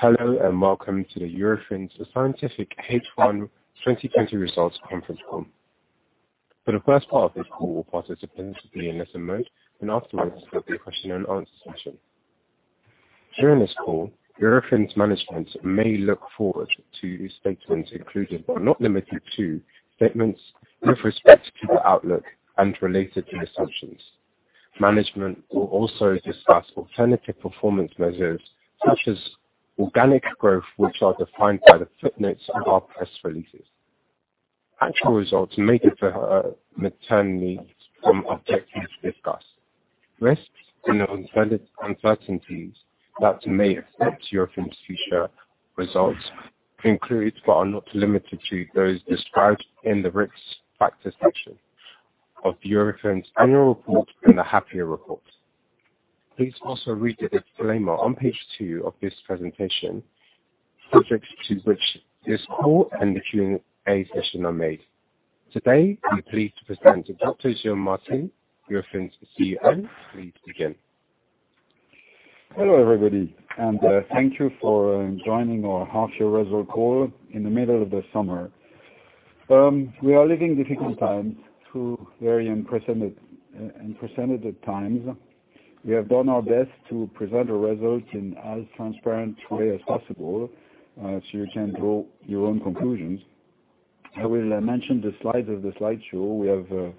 Hello, welcome to the Eurofins Scientific H1 2020 Results Conference Call. For the first part of this call, all participants will be in listen mode. Afterwards, there will be a question-and-answer session. During this call, Eurofins' management may look forward to statements including, but not limited to, statements with respect to the outlook and related assumptions. Management will also discuss alternative performance measures, such as organic growth, which are defined by the footnotes of our press releases. Actual results may differ materially from objectives discussed. Risks and uncertainties that may affect Eurofins' future results include, but are not limited to, those described in the Risk Factors section of Eurofins' annual report and the half-year report. Please also read the disclaimer on page two of this presentation, subject to which this call and the Q&A session are made. Today, we are pleased to present Dr. Gilles Martin, Eurofins' CEO. Please begin. Hello, everybody, thank you for joining our half-year result call in the middle of the summer. We are living difficult times, through very unprecedented times. We have done our best to present our results in as transparent way as possible, so you can draw your own conclusions. I will mention the slides of the slideshow. We have a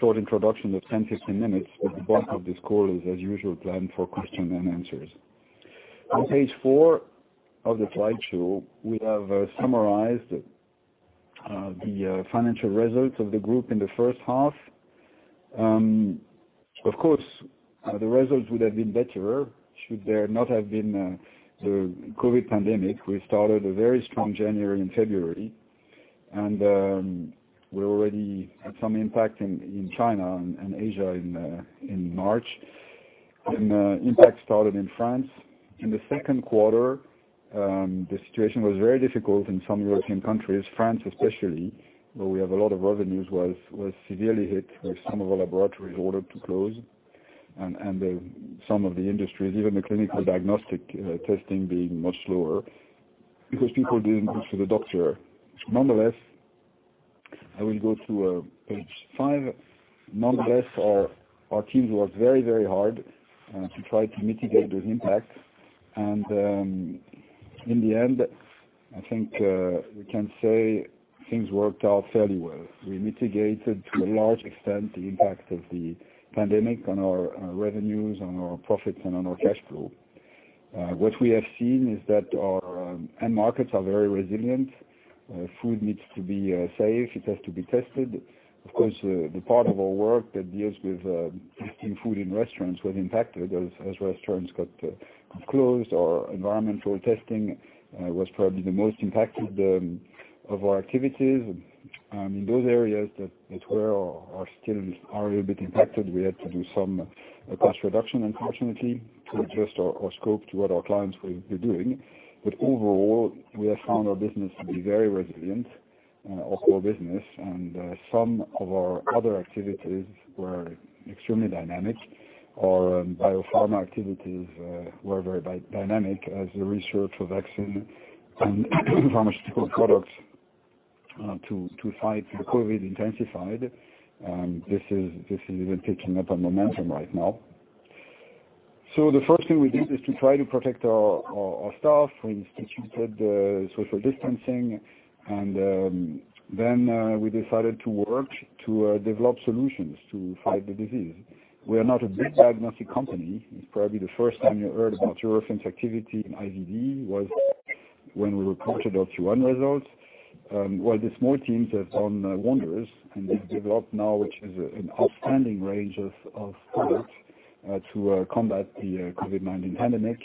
short introduction of 10, 15 minutes, the bulk of this call is, as usual, planned for question-and-answers. On page four of the slideshow, we have summarized the financial results of the group in the first half. Of course, the results would have been better should there not have been the COVID-19 pandemic. We started a very strong January and February, we already had some impact in China and Asia in March. The impact started in France. In the second quarter, the situation was very difficult in some European countries, France especially, where we have a lot of revenues, was severely hit with some of our laboratories ordered to close, and some of the industries, even the clinical diagnostic testing being much lower because people didn't go to the doctor. I will go to page five. Nonetheless, our teams worked very hard to try to mitigate those impacts, and in the end, I think we can say things worked out fairly well. We mitigated, to a large extent, the impact of the pandemic on our revenues, on our profits, and on our cash flow. What we have seen is that our end markets are very resilient. Food needs to be safe. It has to be tested. Of course, the part of our work that deals with testing food in restaurants was impacted as restaurants got closed. Our environmental testing was probably the most impacted of our activities. In those areas that were or still are a bit impacted, we had to do some cost reduction, unfortunately, to adjust our scope to what our clients were doing. Overall, we have found our business to be very resilient, our core business, and some of our other activities were extremely dynamic. Our biopharma activities were very dynamic as the research for vaccine and pharmaceutical products to fight the COVID-19 intensified. This is even picking up a momentum right now. The first thing we did is to try to protect our staff. We instituted social distancing, and then we decided to work to develop solutions to fight the disease. We are not a big diagnostic company. It's probably the first time you heard about Eurofins' activity in IVD was when we reported our Q1 results. While the small teams have done wonders and they've developed now, which is an outstanding range of products to combat the COVID-19 pandemic,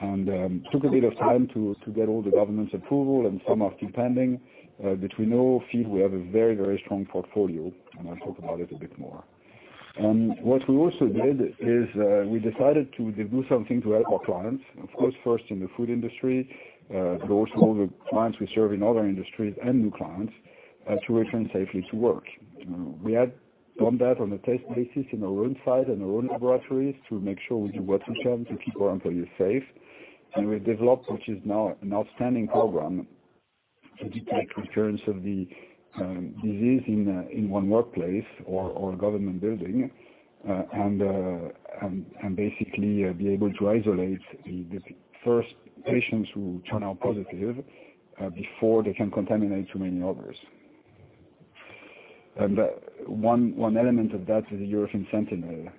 and took a bit of time to get all the governments' approval, and some are still pending. We now feel we have a very strong portfolio, and I'll talk about it a bit more. What we also did is we decided to do something to help our clients, of course, first in the food industry, but also all the clients we serve in other industries and new clients to return safely to work. We had done that on a test basis in our own site and our own laboratories to make sure we do what we can to keep our employees safe. We've developed, which is now an outstanding program, to detect occurrence of the disease in one workplace or government building, and basically be able to isolate the first patients who turn out positive before they can contaminate too many others. One element of that is the Eurofins Sentinel,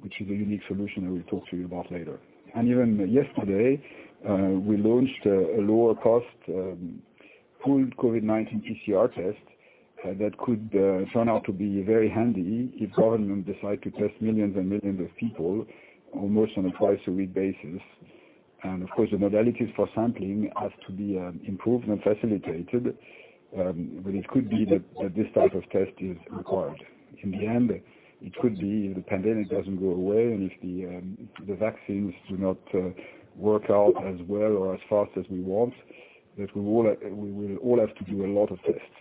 which is a unique solution that we'll talk to you about later. Even yesterday, we launched a lower cost full COVID-19 PCR test that could turn out to be very handy if government decide to test millions and millions of people almost on a twice a week basis. Of course, the modalities for sampling has to be improved and facilitated, but it could be that this type of test is required. In the end, it could be the pandemic doesn't go away, and if the vaccines do not work out as well or as fast as we want, that we will all have to do a lot of tests.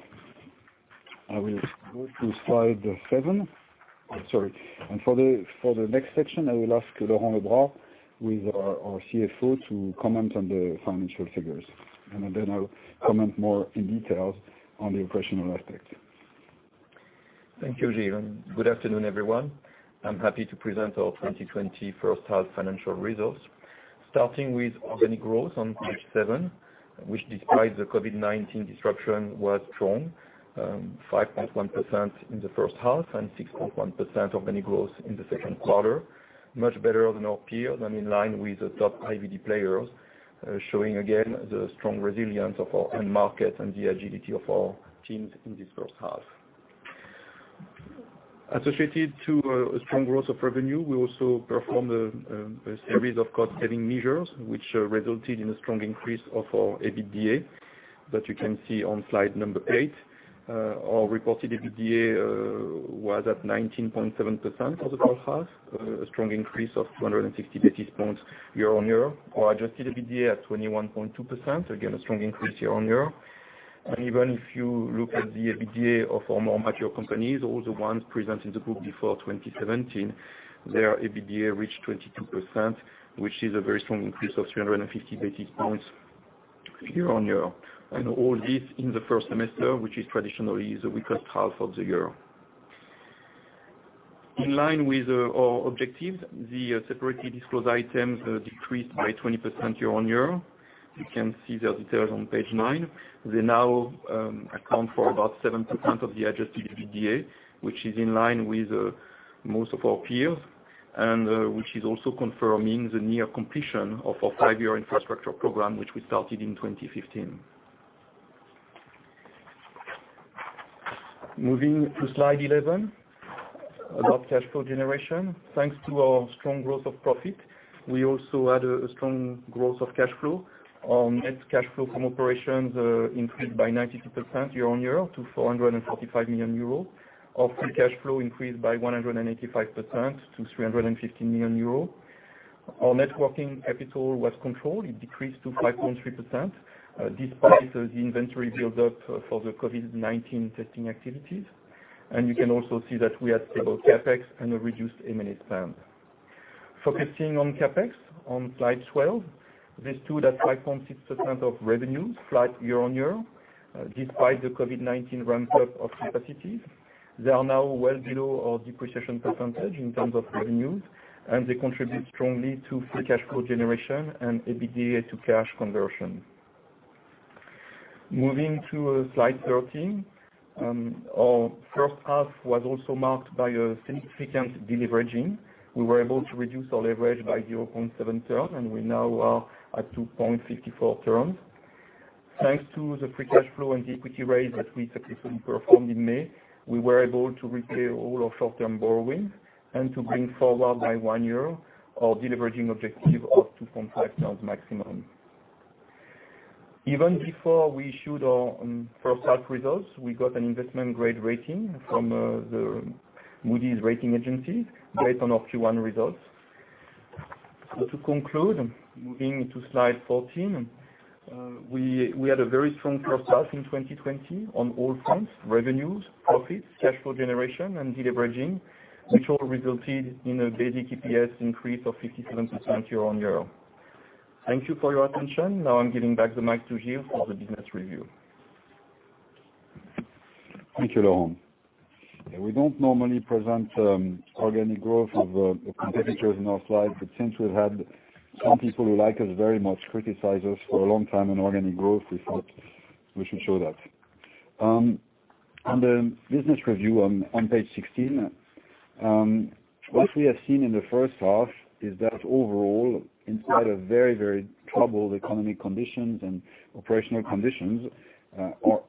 I will go to slide seven. Sorry. For the next section, I will ask Laurent Lebras, our CFO, to comment on the financial figures, and then I'll comment more in details on the operational aspects. Thank you, Gilles. Good afternoon, everyone. I'm happy to present our 2020 first half financial results. Starting with organic growth on page seven, which, despite the COVID-19 disruption, was strong. 5.1% in the first half and 6.1% organic growth in the second quarter. Much better than our peers and in line with the top IVD players, showing again the strong resilience of our end market and the agility of our teams in this first half. Associated to a strong growth of revenue, we also performed a series of cost-saving measures, which resulted in a strong increase of our EBITDA that you can see on slide number eight. Our reported EBITDA was at 19.7% for the first half, a strong increase of 260 basis points year on year. Our adjusted EBITDA at 21.2%, again, a strong increase year on year. Even if you look at the EBITDA of our more mature companies, all the ones present in the group before 2017, their EBITDA reached 22%, which is a very strong increase of 350 basis points year-on-year. All this in the first semester, which is traditionally the weakest half of the year. In line with our objectives, the separately disclosed items decreased by 20% year-on-year. You can see the details on page nine. They now account for about 7% of the adjusted EBITDA, which is in line with most of our peers and which is also confirming the near completion of our five-year infrastructure program, which we started in 2015. Moving to slide 11, about cash-flow generation. Thanks to our strong growth of profit, we also had a strong growth of cash-flow. Our net cash flow from operations increased by 92% year on year to 445 million euros. Our free cash flow increased by 185% to 350 million euros. Our net working capital was controlled. It decreased to 5.3%, despite the inventory build-up for the COVID-19 testing activities. You can also see that we had stable CapEx and a reduced M&A spend. Focusing on CapEx on slide 12, this stood at 5.6% of revenues, flat year on year. Despite the COVID-19 ramp up of capacities, they are now well below our depreciation percentage in terms of revenues, and they contribute strongly to free cash flow generation and EBITDA to cash conversion. Moving to slide 13. Our first half was also marked by a significant deleveraging. We were able to reduce our leverage by 0.7 turn, and we now are at 2.54 turns. Thanks to the free cash flow and the equity raise that we successfully performed in May, we were able to repay all our short-term borrowing and to bring forward by one year our deleveraging objective of 2.5 turns maximum. Even before we issued our first half results, we got an investment-grade rating from the Moody's rating agency based on our Q1 results. To conclude, moving to slide 14, we had a very strong first half in 2020 on all fronts, revenues, profits, cash flow generation, and deleveraging, which all resulted in a basic EPS increase of 57% year on year. Thank you for your attention. Now I'm giving back the mic to Gilles for the business review. Thank you, Laurent. We don't normally present organic growth of competitors in our slides, but since we've had some people who like us very much criticize us for a long time on organic growth, we thought we should show that. On the business review on page 16, what we have seen in the first half is that overall, inside a very, very troubled economic conditions and operational conditions, our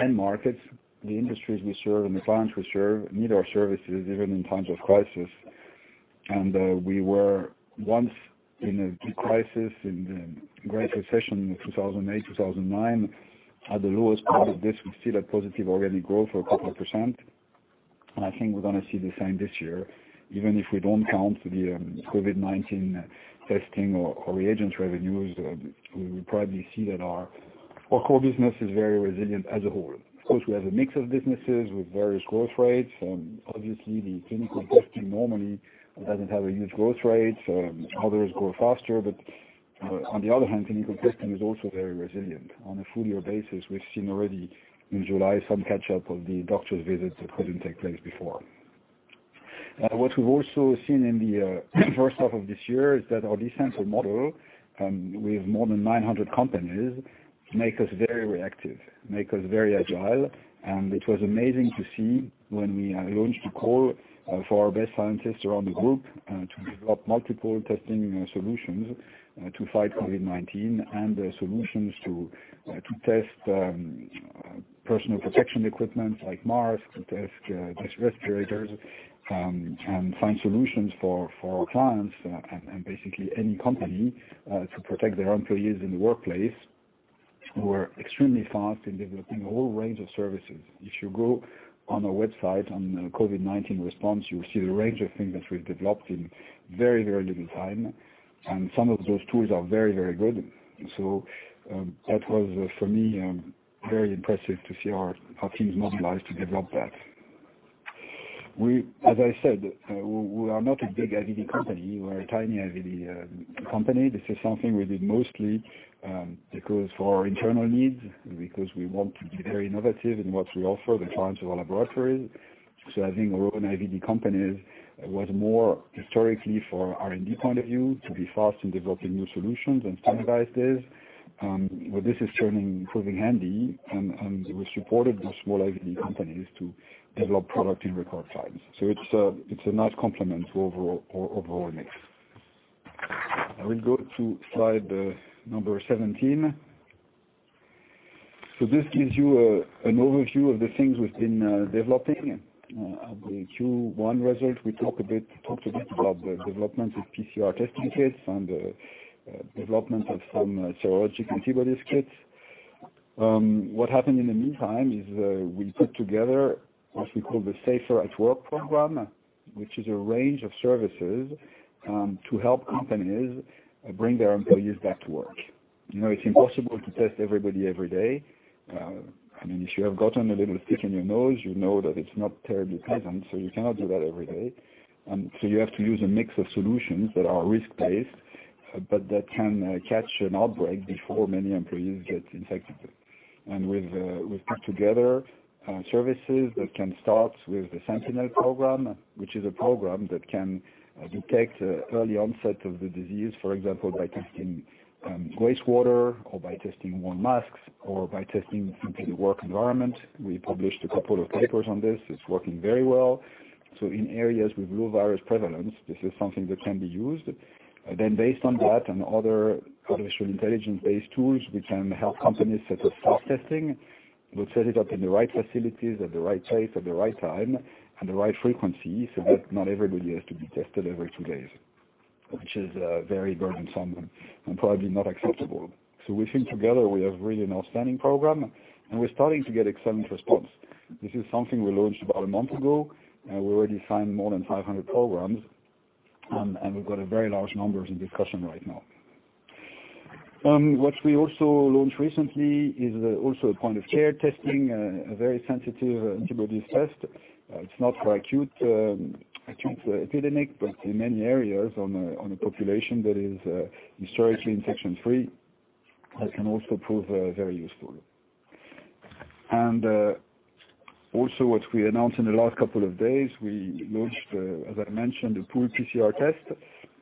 end markets, the industries we serve and the clients we serve need our services even in times of crisis. We were once in a deep crisis in the Great Recession in 2008, 2009. At the lowest part of this, we still had positive organic growth for a couple of %. I think we're going to see the same this year. Even if we don't count the COVID-19 testing or reagent revenues, we will probably see that our core business is very resilient as a whole. Of course, we have a mix of businesses with various growth rates. Obviously, the clinical testing normally doesn't have a huge growth rate, so others grow faster. On the other hand, clinical testing is also very resilient. On a full-year basis, we've seen already in July some catch-up of the doctor's visits that couldn't take place before. What we've also seen in the first half of this year is that our decentral model, with more than 900 companies, make us very reactive, make us very agile. it was amazing to see when we launched a call for our best scientists around the group to develop multiple testing solutions to fight COVID-19 and solutions to test personal protection equipment like masks, to test respirators, and find solutions for our clients and basically any company to protect their employees in the workplace. We're extremely fast in developing a whole range of services. If you go on our website on COVID-19 response, you will see the range of things that we've developed in very little time. some of those tools are very, very good. that was, for me, very impressive to see our teams mobilize to develop that. As I said, we are not a big IVD company. We are a tiny IVD company. This is something we did mostly because for our internal needs, because we want to be very innovative in what we offer the clients of our laboratories. Having our own IVD companies was more historically for R&D point of view, to be fast in developing new solutions and standardize this. This is turning, proving handy, and we supported the small IVD companies to develop product in record times. It's a nice complement to overall mix. I will go to slide number 17. This gives you an overview of the things we've been developing. At the Q1 result, we talked a bit about the development of PCR testing kits and development of some serologic antibody kits. What happened in the meantime is we put together what we call the SAFER@WORK program, which is a range of services to help companies bring their employees back to work. It's impossible to test everybody every day. If you have gotten a little sick in your nose, you know that it's not terribly pleasant, so you cannot do that every day. You have to use a mix of solutions that are risk-based, but that can catch an outbreak before many employees get infected. We've put together services that can start with the Sentinel program, which is a program that can detect early onset of the disease, for example, by testing wastewater or by testing worn masks or by testing simply the work environment. We published a couple of papers on this. It's working very well. In areas with low virus prevalence, this is something that can be used. Based on that and other artificial intelligence-based tools, we can help companies set up self-testing. We'll set it up in the right facilities at the right place at the right time and the right frequency so that not everybody has to be tested every two days, which is very burdensome and probably not acceptable. We think together we have really an outstanding program, and we're starting to get excellent response. This is something we launched about a month ago, and we already signed more than 500 programs, and we've got a very large numbers in discussion right now. What we also launched recently is also a point-of-care testing, a very sensitive antibodies test. It's not for acute epidemic, but in many areas on a population that is historically infection-free, that can also prove very useful. Also what we announced in the last couple of days, we launched, as I mentioned, a pooled PCR test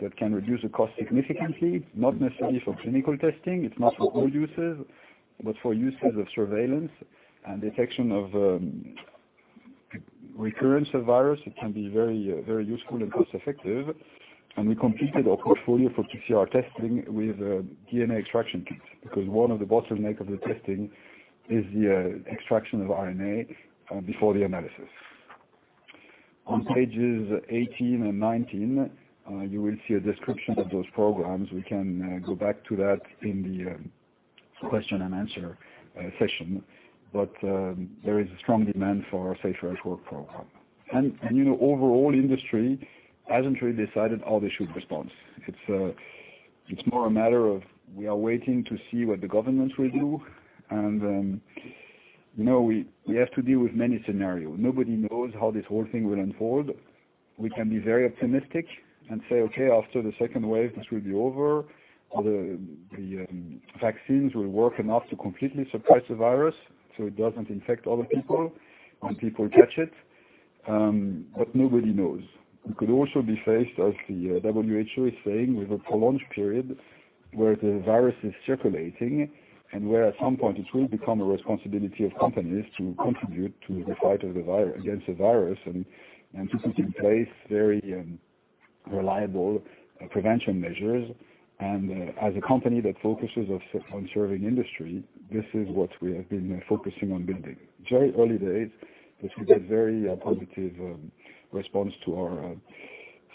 that can reduce the cost significantly, not necessarily for clinical testing. It's not for all uses, but for uses of surveillance and detection of recurrence of virus, it can be very useful and cost-effective. We completed our portfolio for PCR testing with DNA extraction kits, because one of the bottleneck of the testing is the extraction of RNA before the analysis. On pages 18 and 19, you will see a description of those programs. We can go back to that in the question-and-answer session. There is a strong demand for our SAFER@WORK program. overall industry hasn't really decided how they should respond. It's more a matter of we are waiting to see what the government will do. we have to deal with many scenarios. Nobody knows how this whole thing will unfold. We can be very optimistic and say, "Okay, after the second wave, this will be over, or the vaccines will work enough to completely suppress the virus so it doesn't infect other people when people catch it." nobody knows. We could also be phased, as the WHO is saying, with a prolonged period where the virus is circulating and where at some point it will become a responsibility of companies to contribute to the fight against the virus and to put in place very reliable prevention measures. as a company that focuses on serving industry, this is what we have been focusing on building. Very early days, but we get very positive response to our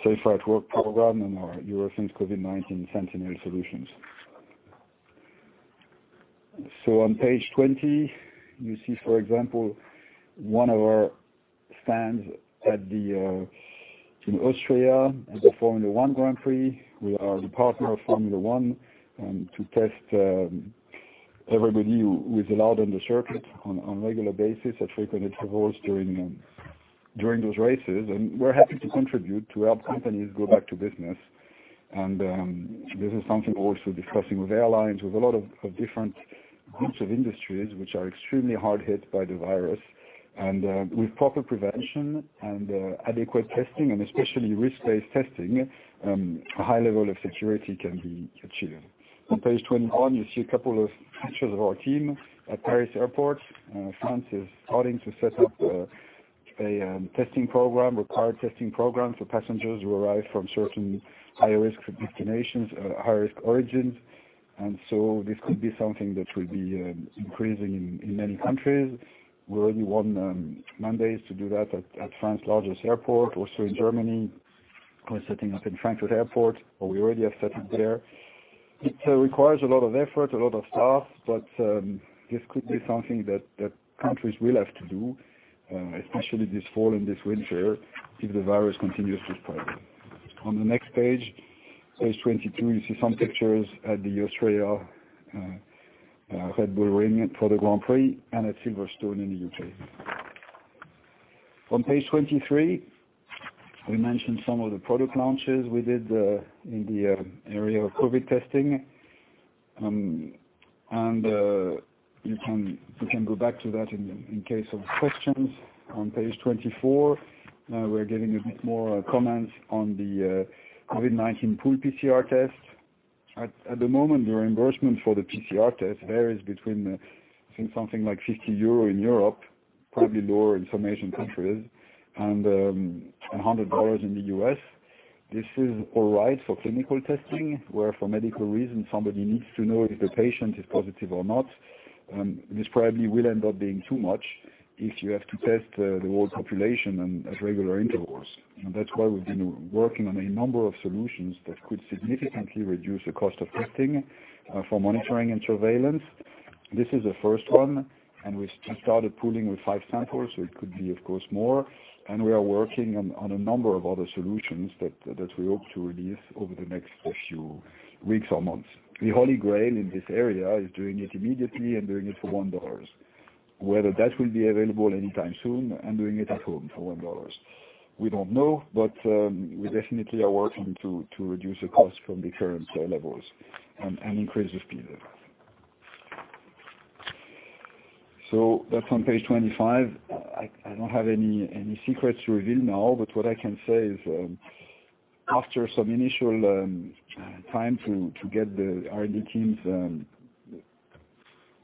SAFER@WORK program and our Eurofins COVID-19 Sentinel solutions. On page 20, you see, for example, one of our stands in Austria at the Formula One Grand Prix. We are the partner of Formula One to test everybody who is allowed on the circuit on regular basis at frequented intervals during those races. We're happy to contribute to help companies go back to business. This is something we're also discussing with airlines, with a lot of different groups of industries, which are extremely hard hit by the virus. With proper prevention and adequate testing, and especially risk-based testing, a high level of security can be achieved. On page 21, you see a couple of pictures of our team at Paris Airport. France is starting to set up a testing program, required testing program for passengers who arrive from certain high-risk destinations, high-risk origins. This could be something that will be increasing in many countries. We already won mandates to do that at France's largest airport. Also in Germany, we're setting up in Frankfurt Airport, or we already have set up there. It requires a lot of effort, a lot of staff, but this could be something that countries will have to do, especially this fall and this winter, if the virus continues to spread. On the next page 22, you see some pictures at the Austrian Red Bull Ring for the Grand Prix and at Silverstone in the U.K. On page 23, we mentioned some of the product launches we did in the area of COVID testing. You can go back to that in case of questions. On page 24, we're giving a bit more comments on the COVID-19 pool PCR test. At the moment, the reimbursement for the PCR test varies between, I think something like 60 euro in Europe, probably lower in some Asian countries, and $100 in the US. This is all right for clinical testing, where for medical reasons, somebody needs to know if the patient is positive or not. This probably will end up being too much if you have to test the whole population at regular intervals. That's why we've been working on a number of solutions that could significantly reduce the cost of testing for monitoring and surveillance. This is the first one, and we started pooling with five samples, so it could be, of course, more. We are working on a number of other solutions that we hope to release over the next few weeks or months. The Holy Grail in this area is doing it immediately and doing it for EUR 1. Whether that will be available anytime soon and doing it at home for EUR 1, we don't know, but we definitely are working to reduce the cost from the current levels and increase the speed. That's on page 25. I don't have any secrets to reveal now, but what I can say is after some initial time to get the R&D teams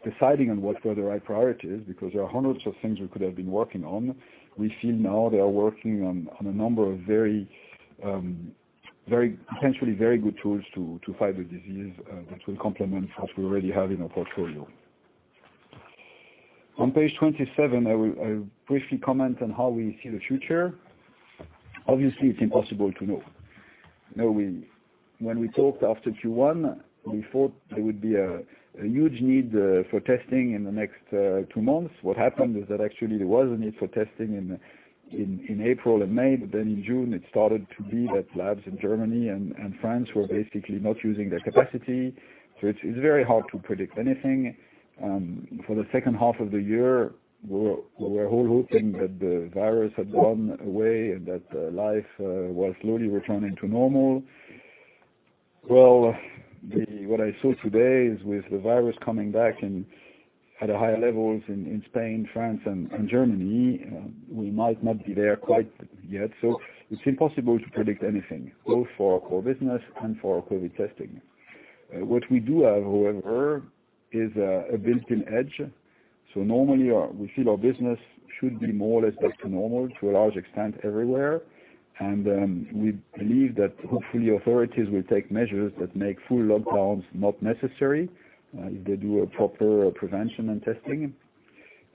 deciding on what were the right priorities, because there are hundreds of things we could have been working on. We feel now they are working on a number of potentially very good tools to fight the disease, that will complement what we already have in our portfolio. On page 27, I will briefly comment on how we see the future. Obviously, it's impossible to know. When we talked after Q1, we thought there would be a huge need for testing in the next two months. What happened is that actually there was a need for testing in April and May, but then in June, it started to be that labs in Germany and France were basically not using their capacity. it's very hard to predict anything. For the second half of the year, we were all hoping that the virus had gone away and that life was slowly returning to normal. what I saw today is with the virus coming back and at higher levels in Spain, France, and Germany, we might not be there quite yet. it's impossible to predict anything, both for our core business and for our COVID testing. What we do have, however, is a built-in edge. Normally, we feel our business should be more or less back to normal to a large extent everywhere, and we believe that hopefully authorities will take measures that make full lockdowns not necessary, if they do a proper prevention and testing.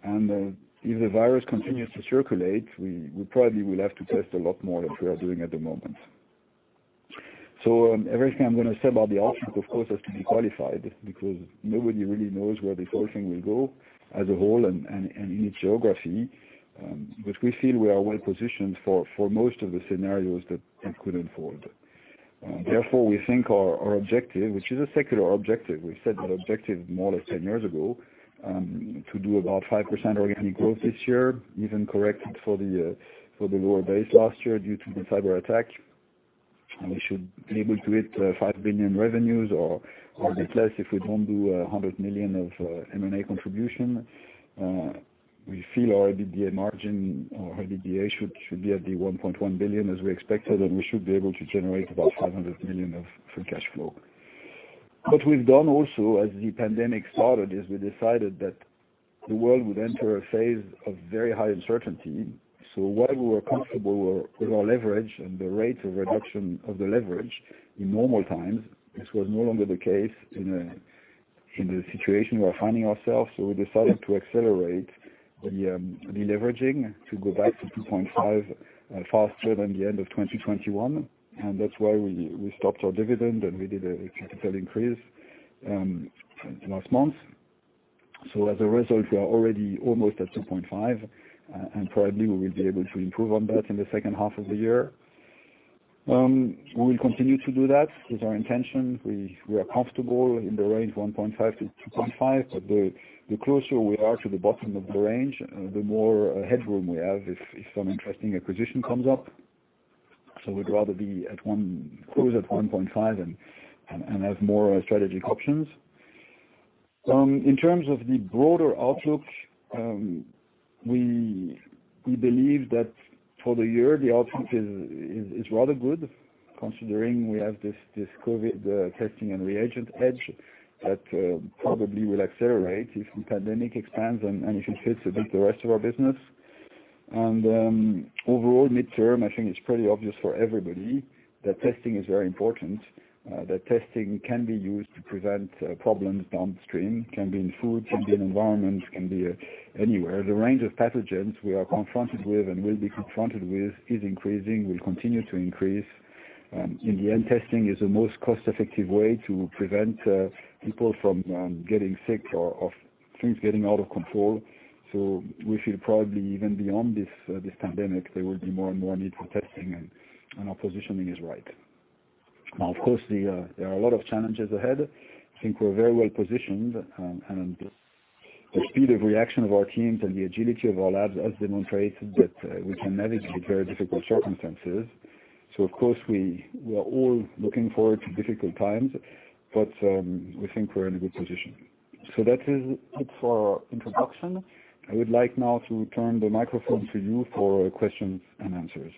If the virus continues to circulate, we probably will have to test a lot more than we are doing at the moment. Everything I'm going to say about the outlook, of course, has to be qualified because nobody really knows where this whole thing will go as a whole and in each geography. We feel we are well positioned for most of the scenarios that could unfold. Therefore, we think our objective, which is a secular objective, we set that objective more or less 10 years ago, to do about 5% organic growth this year, even corrected for the lower base last year due to the cyber attack. We should be able to hit 5 billion revenues or a bit less if we don't do 100 million of M&A contribution. We feel our EBITDA margin or EBITDA should be at the 1.1 billion as we expected, and we should be able to generate about 500 million of free cash flow. What we've done also as the pandemic started is we decided that the world would enter a phase of very high uncertainty. While we were comfortable with our leverage and the rate of reduction of the leverage in normal times, this was no longer the case in the situation we are finding ourselves. we decided to accelerate the deleveraging to go back to 2.5 faster than the end of 2021, and that's why we stopped our dividend, and we did an accelerated increase last month. as a result, we are already almost at 2.5, and probably we will be able to improve on that in the second half of the year. We will continue to do that, is our intention. We are comfortable in the range of 1.5 to 2.5, but the closer we are to the bottom of the range, the more headroom we have if some interesting acquisition comes up. we'd rather be close at 1.5 and have more strategic options. In terms of the broader outlook, we believe that for the year, the outlook is rather good considering we have this COVID testing and reagent edge that probably will accelerate if the pandemic expands and if it fits with the rest of our business. Overall midterm, I think it's pretty obvious for everybody that testing is very important, that testing can be used to prevent problems downstream. It can be in food, can be in environment, can be anywhere. The range of pathogens we are confronted with and will be confronted with is increasing, will continue to increase. In the end, testing is the most cost-effective way to prevent people from getting sick or of things getting out of control. We feel probably even beyond this pandemic, there will be more and more need for testing, and our positioning is right. Now, of course, there are a lot of challenges ahead. I think we're very well-positioned, and the speed of reaction of our teams and the agility of our labs has demonstrated that we can navigate very difficult circumstances. Of course, we are all looking forward to difficult times, but we think we're in a good position. That is it for our introduction. I would like now to return the microphone to you for questions and answers.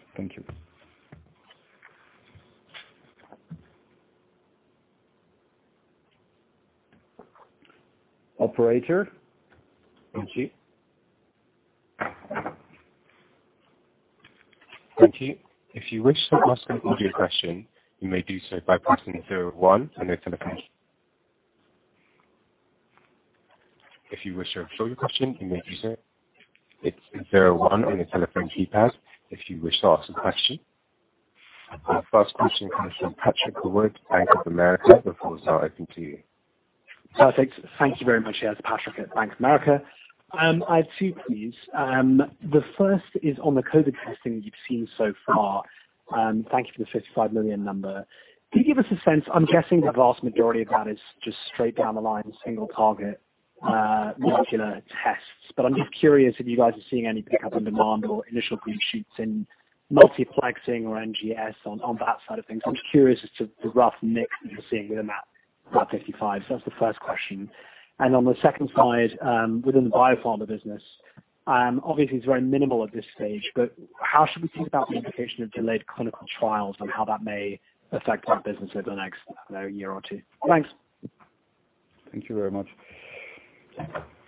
Thank you. Operator? Thank you. Thank you. If you wish to ask an audio question, you may do so by pressing zero one on your telephone. If you wish to ask your question, you may do so. It's zero one on your telephone keypad if you wish to ask a question. Our first question comes from Jared Woodard, Bank of America. The floor is now open to you. Perfect. Thank you very much. Yeah, it's Patrick at Bank of America. I have two, please. The first is on the COVID testing you've seen so far. Thank you for the 55 million number. Can you give us a sense, I'm guessing the vast majority of that is just straight down the line, single target molecular tests. I'm just curious if you guys are seeing any pickup in demand or initial [inaudible] in multiplexing or NGS on that side of things. I'm just curious as to the rough mix that you're seeing within that 55. That's the first question. On the second side, within the biopharma business, obviously it's very minimal at this stage, but how should we think about the implication of delayed clinical trials and how that may affect that business over the next year or two? Thanks. Thank you very much.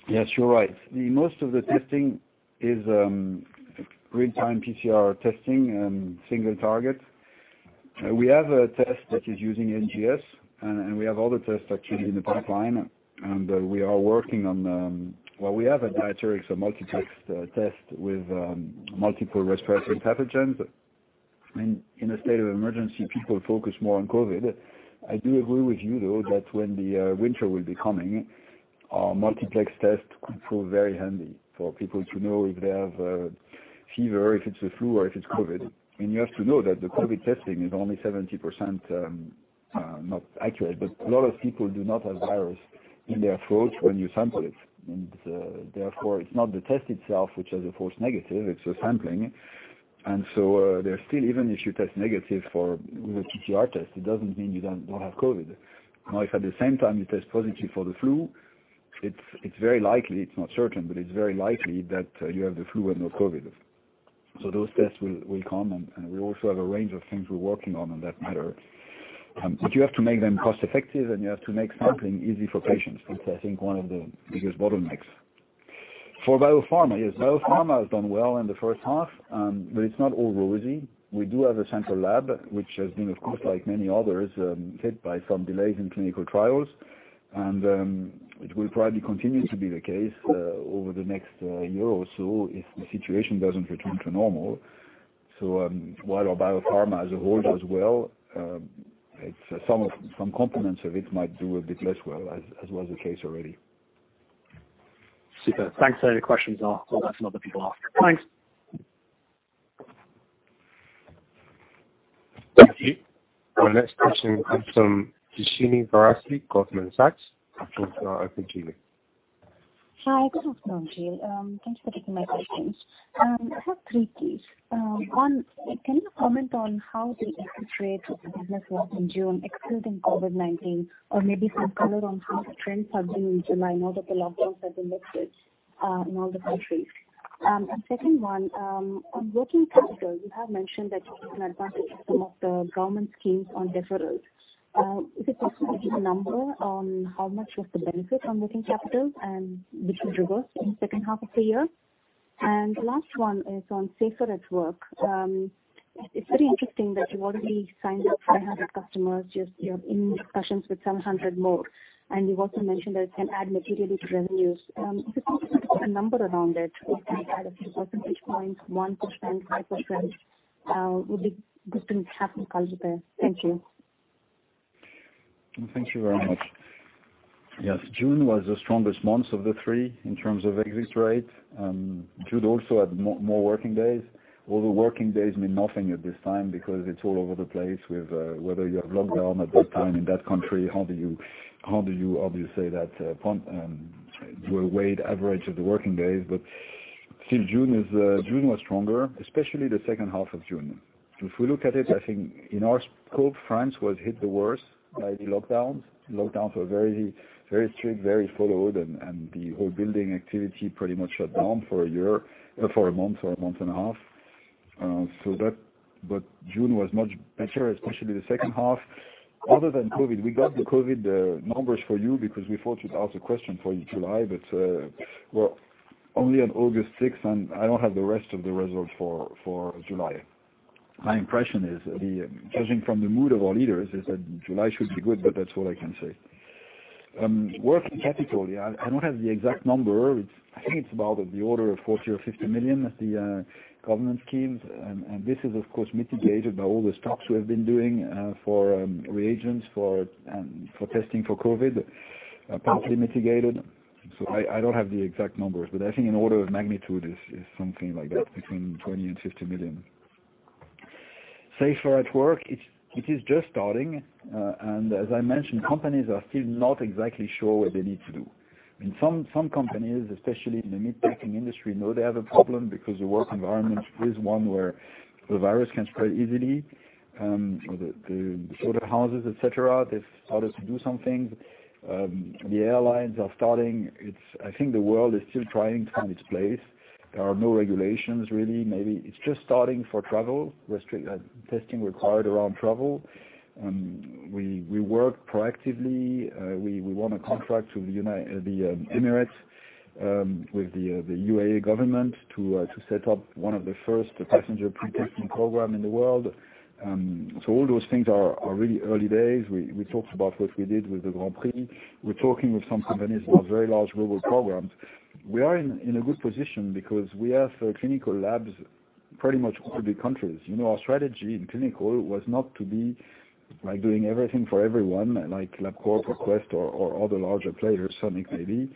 Yes, you're right. Most of the testing is real-time PCR testing and single target. We have a test that is using NGS, and we have other tests actually in the pipeline, and we are working on Well, we have a Diatherix, a multiplex test with multiple respiratory pathogens. In a state of emergency, people focus more on COVID. I do agree with you, though, that when the winter will be coming, our multiplex test could prove very handy for people to know if they have a fever, if it's the flu or if it's COVID. you have to know that the COVID testing is only 70% not accurate, but a lot of people do not have virus in their throat when you sample it. therefore, it's not the test itself, which has a false negative, it's the sampling. even if you test negative for with a PCR test, it doesn't mean you don't have COVID. if at the same time you test positive for the flu, it's very likely, it's not certain, but it's very likely that you have the flu and no COVID. those tests will come, and we also have a range of things we're working on that matter. you have to make them cost-effective, and you have to make sampling easy for patients, which I think one of the biggest bottlenecks. For biopharma. Yes, biopharma has done well in the first half, but it's not all rosy. We do have a central lab which has been, of course, like many others, hit by some delays in clinical trials, and it will probably continue to be the case over the next year or so if the situation doesn't return to normal. While our biopharma as a whole does well, some components of it might do a bit less well, as was the case already. Super. Thanks. Any questions, I'll pass to other people after. Thanks. Thank you. Our next question comes from Suhasini Varanasi, Goldman Sachs. The floor is now open to you. Hi, good afternoon to you. Thanks for taking my questions. I have three keys. One, can you comment on how the exit rate of business was in June excluding COVID-19? Maybe some color on how the trends for June and July now that the lockdowns have been lifted in all the countries. Second one, on working capital, you have mentioned that you're taking advantage of some of the government schemes on deferrals. Is it possible to give a number on how much was the benefit on working capital and this will reverse in the second half of the year? Last one is on SAFER@WORK. It's very interesting that you've already signed up 500 customers. You're in discussions with 700 more, and you've also mentioned that it can add materially to revenues. Is it possible to put a number around it? A percentage point, 1%, 5% would be good to have in color there. Thank you. Thank you very much. Yes, June was the strongest month of the three in terms of exit rate. June also had more working days. Although working days mean nothing at this time because it's all over the place with whether you have lockdown at that time in that country. How do you say that, a weighted average of the working days? Still June was stronger, especially the second half of June. If we look at it, I think in our scope, France was hit the worst by the lockdowns. Lockdowns were very strict, very followed, and the whole building activity pretty much shut down for a month or a month and a half. June was much better, especially the second half. Other than COVID, we got the COVID numbers for you because we thought you'd ask the question for July. We're only on August 6th, and I don't have the rest of the results for July. My impression is, judging from the mood of our leaders, is that July should be good, but that's all I can say. Working capital, I don't have the exact number. I think it's about in the order of 40 million or 50 million, the government schemes. This is, of course, mitigated by all the stocks we have been doing for reagents for testing for COVID, partially mitigated. I don't have the exact numbers, but I think in order of magnitude, it's something like that, between 20 million and 50 million. SAFER@WORK, it is just starting. As I mentioned, companies are still not exactly sure what they need to do. Some companies, especially in the meatpacking industry, know they have a problem because the work environment is one where the virus can spread easily. The slaughterhouses, et cetera, they've started to do something. The airlines are starting. I think the world is still trying to find its place. There are no regulations, really. It's just starting for travel, testing required around travel. We work proactively. We won a contract with the Emirates, with the UAE government, to set up one of the first passenger pre-testing program in the world. All those things are really early days. We talked about what we did with the Grand Prix. We're talking with some companies about very large global programs. We are in a good position because we have clinical labs pretty much all the big countries. Our strategy in clinical was not to be doing everything for everyone, like Labcorp or Quest or other larger players, Sonic maybe,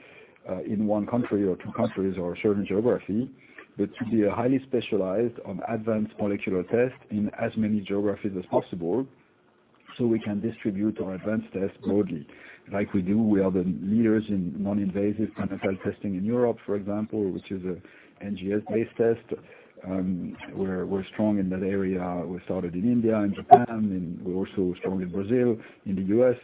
in one country or two countries or a certain geography, but to be highly specialized on advanced molecular tests in as many geographies as possible so we can distribute our advanced tests broadly. Like we do, we are the leaders in non-invasive prenatal testing in Europe, for example, which is an NGS-based test. We're strong in that area. We started in India and Japan, and we're also strong in Brazil, in the U.S.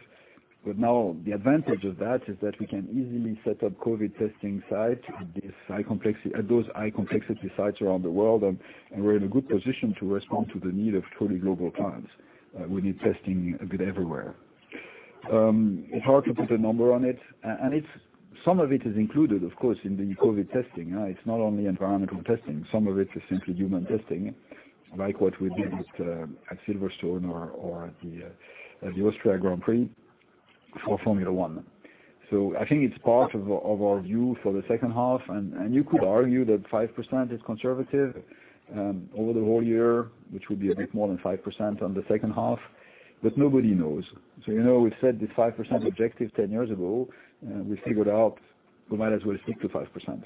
Now the advantage of that is that we can easily set up COVID testing sites at those high complexity sites around the world, and we're in a good position to respond to the need of truly global clients who need testing a bit everywhere. It's hard to put a number on it, and some of it is included, of course, in the COVID testing. It's not only environmental testing. Some of it is simply human testing, like what we did at Silverstone or at the Australia Grand Prix for Formula 1. I think it's part of our view for the second half, and you could argue that five% is conservative over the whole year, which would be a bit more than five% on the second half, but nobody knows. We said this five% objective 10 years ago, and we figured out we might as well stick to five%.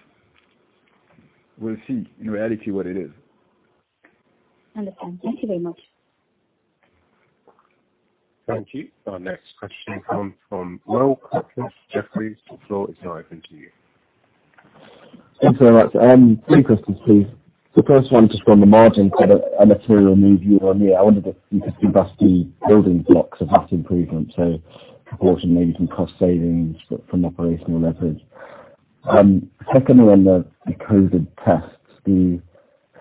We'll see, in reality, what it is. Understand. Thank you very much. Thank you. Our next question comes from Witt Hawkins, Jefferies. The floor is now open to you. Thanks very much. Three questions, please. The first one, just on the margin, a material move year-over-year. I wonder if you could give us the building blocks of that improvement. Proportion, maybe some cost savings from operational leverage. Secondly, on the COVID tests, the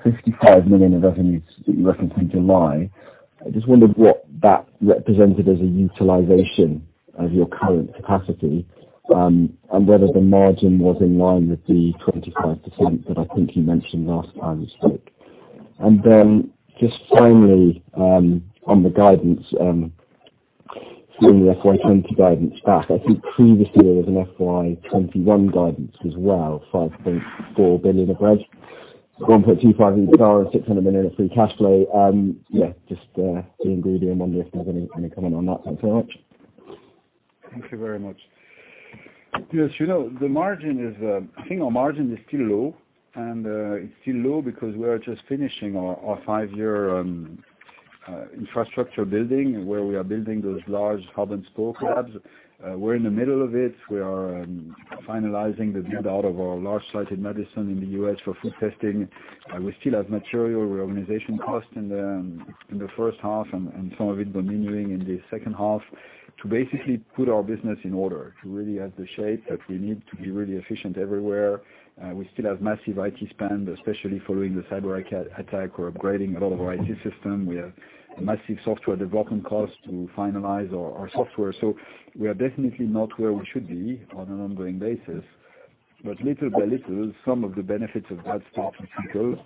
55 million of revenues that you referenced in July, I just wondered what that represented as a utilization of your current capacity, and whether the margin was in line with the 25% that I think you mentioned last time you spoke. Just finally, on the guidance, pulling the FY 2020 guidance back. I think previously there was an FY 2021 guidance as well, 5.4 billion of rev, 1.25 EPS, and 600 million of free cash flow. Yeah, just the ingredient on there if you have any comment on that. Thanks very much. Thank you very much. Yes, the margin is, I think our margin is still low, and it's still low because we are just finishing our five-year infrastructure building, where we are building those large hub-and-spoke labs. We're in the middle of it. We are finalizing the build-out of our large site in Madison in the U.S. for food testing. We still have material reorganization costs in the first half and some of it diminishing in the second half to basically put our business in order, to really have the shape that we need to be really efficient everywhere. We still have massive IT spend, especially following the cyber attack. We're upgrading a lot of our IT system. We have massive software development costs to finalize our software. We are definitely not where we should be on an ongoing basis. Little by little, some of the benefits of that start to trickle.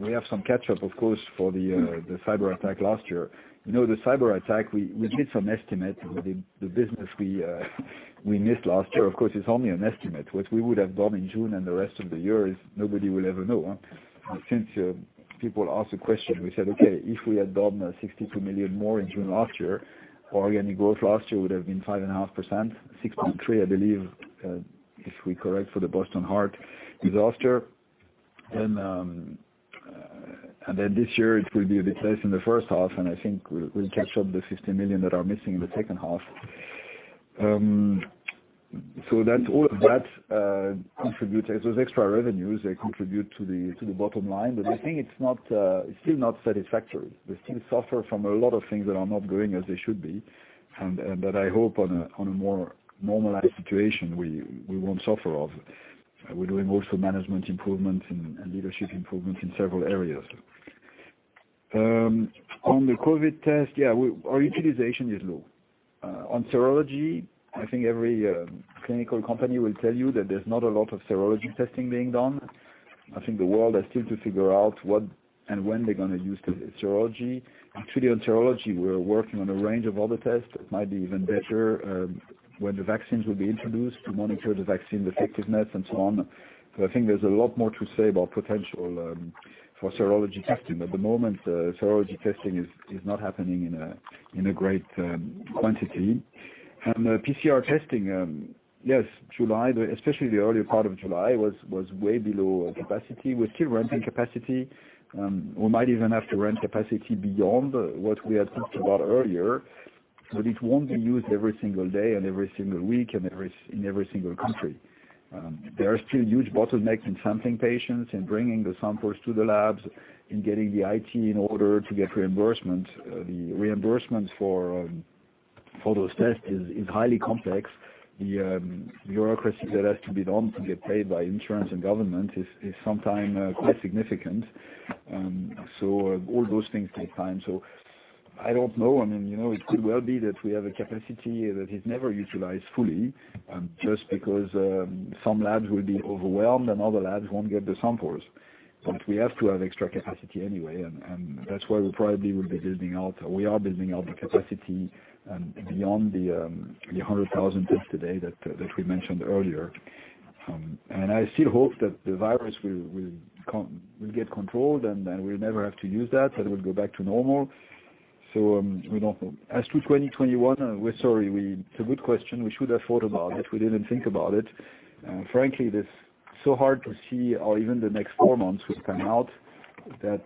We have some catch-up, of course, for the cyber attack last year. The cyber attack, we did some estimate. The business we missed last year, of course, it's only an estimate. What we would have done in June and the rest of the year is nobody will ever know. Since people ask the question, we said, "Okay, if we had done 62 million more in June last year, organic growth last year would have been 5.5%, 6.3%, I believe, if we correct for the Boston Heart disaster." Then this year, it will be a bit less in the first half, and I think we'll catch up the 50 million that are missing in the second half. That contributes. Those extra revenues, they contribute to the bottom line. I think it's still not satisfactory. We still suffer from a lot of things that are not going as they should be, and that I hope on a more normalized situation, we won't suffer of. We're doing also management improvements and leadership improvements in several areas. On the COVID test, yeah, our utilization is low. On serology, I think every clinical company will tell you that there's not a lot of serology testing being done. I think the world has still to figure out what and when they're going to use the serology. Actually, on serology, we're working on a range of other tests that might be even better when the vaccines will be introduced to monitor the vaccine effectiveness and so on. I think there's a lot more to say about potential for serology testing. At the moment, serology testing is not happening in a great quantity. PCR testing, yes, July, especially the earlier part of July, was way below capacity. We're still ramping capacity. We might even have to ramp capacity beyond what we had talked about earlier, but it won't be used every single day and every single week and in every single country. There are still huge bottlenecks in sampling patients and bringing the samples to the labs and getting the IT in order to get reimbursement. The reimbursement for those tests is highly complex. The bureaucracy that has to be done to get paid by insurance and government is sometimes quite significant. All those things take time. I don't know. It could well be that we have a capacity that is never utilized fully, just because some labs will be overwhelmed and other labs won't get the samples. we have to have extra capacity anyway, and that's why we probably will be building out, we are building out the capacity beyond the 100,000 tests a day that we mentioned earlier. I still hope that the virus will get controlled and we'll never have to use that it will go back to normal. We don't know. As to 2021, we're sorry. It's a good question. We should have thought about it. We didn't think about it. Frankly, it is so hard to see how even the next four months will pan out, that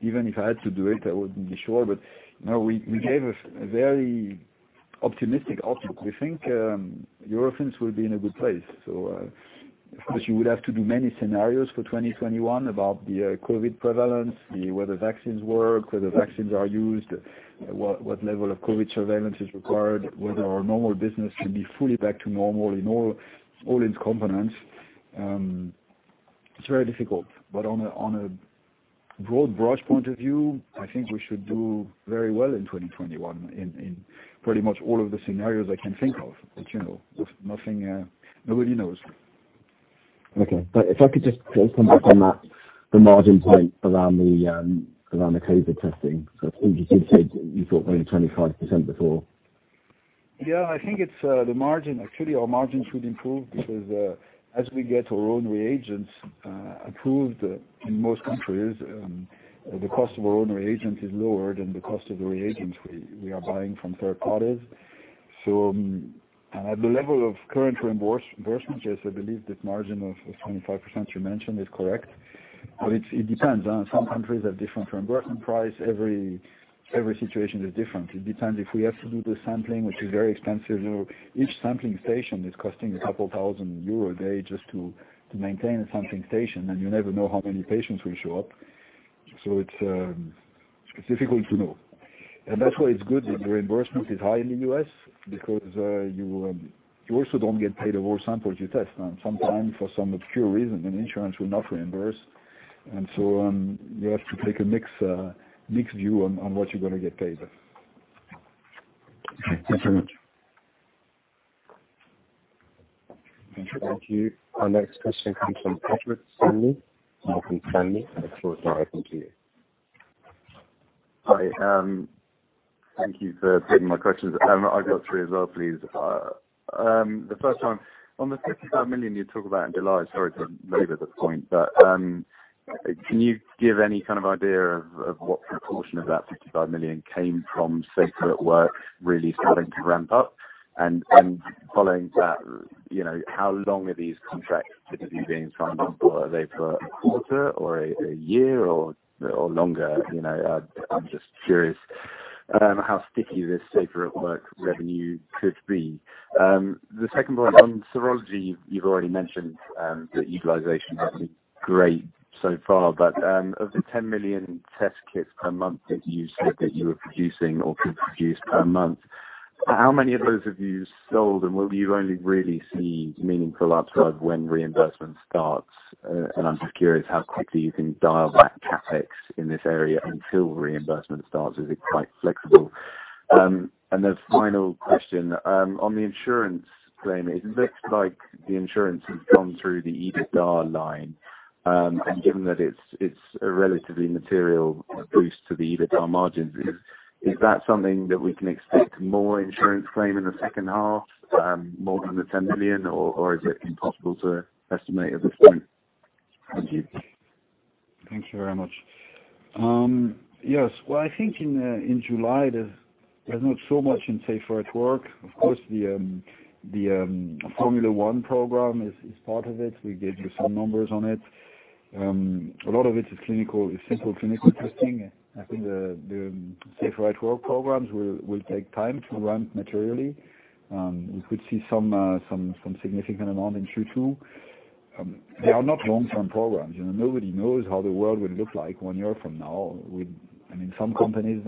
even if I had to do it, I wouldn't be sure. No, we gave a very optimistic outlook. We think Eurofins will be in a good place. Of course, you would have to do many scenarios for 2021 about the COVID prevalence, whether vaccines work, whether vaccines are used, what level of COVID surveillance is required, whether our normal business can be fully back to normal in all its components. It's very difficult. On a broad brush point of view, I think we should do very well in 2021, in pretty much all of the scenarios I can think of. Nobody knows. Okay. If I could just come back on that, the margin point around the COVID testing. I think you said you thought maybe 25% before. Yeah, I think it's the margin. Actually, our margin should improve because as we get our own reagents approved in most countries, the cost of our own reagent is lower than the cost of the reagents we are buying from third parties. At the level of current reimbursement, yes, I believe that margin of 25% you mentioned is correct. It depends. Some countries have different reimbursement price. Every situation is different. It depends if we have to do the sampling, which is very expensive. Each sampling station is costing a couple thousand EUR a day just to maintain a sampling station, and you never know how many patients will show up. It's difficult to know. That's why it's good that reimbursement is high in the U.S. because you also don't get paid of all samples you test. Sometimes for some obscure reason, an insurance will not reimburse. You have to take a mixed view on what you're going to get paid. Okay. Thanks very much. Thank you. Our next question comes from Patrick Sandy. Patrick Sandy, the floor is now open to you. Hi. Thank you for taking my questions. I've got three as well, please. The first one. On the 55 million you talk about in July, sorry to labor the point, but can you give any kind of idea of what proportion of that 55 million came from SAFER@WORK really starting to ramp up? Following that, how long are these contracts typically being signed on for? Are they for a quarter or a year or longer? I'm just curious how sticky this SAFER@WORK revenue could be. The second one, on serology, you've already mentioned that utilization has been great so far. Of the 10 million test kits per month that you said that you were producing or could produce per month, how many of those have you sold? Will you only really see meaningful upside when reimbursement starts? I'm just curious how quickly you can dial back CapEx in this area until reimbursement starts. Is it quite flexible? The final question. On the insurance claim, it looks like the insurance has gone through the EBITDA line. Given that it's a relatively material boost to the EBITDA margins, is that something that we can expect more insurance claim in the second half, more than 10 million, or is it impossible to estimate at this point? Thank you. Thank you very much. Yes. Well, I think in July, there's not so much in SAFER@WORK. Of course, the Formula One program is part of it. We gave you some numbers on it. A lot of it is simple clinical testing. I think the SAFER@WORK programs will take time to ramp materially. We could see some significant amount in Q2. They are not long-term programs. Nobody knows how the world will look like one year from now. Some companies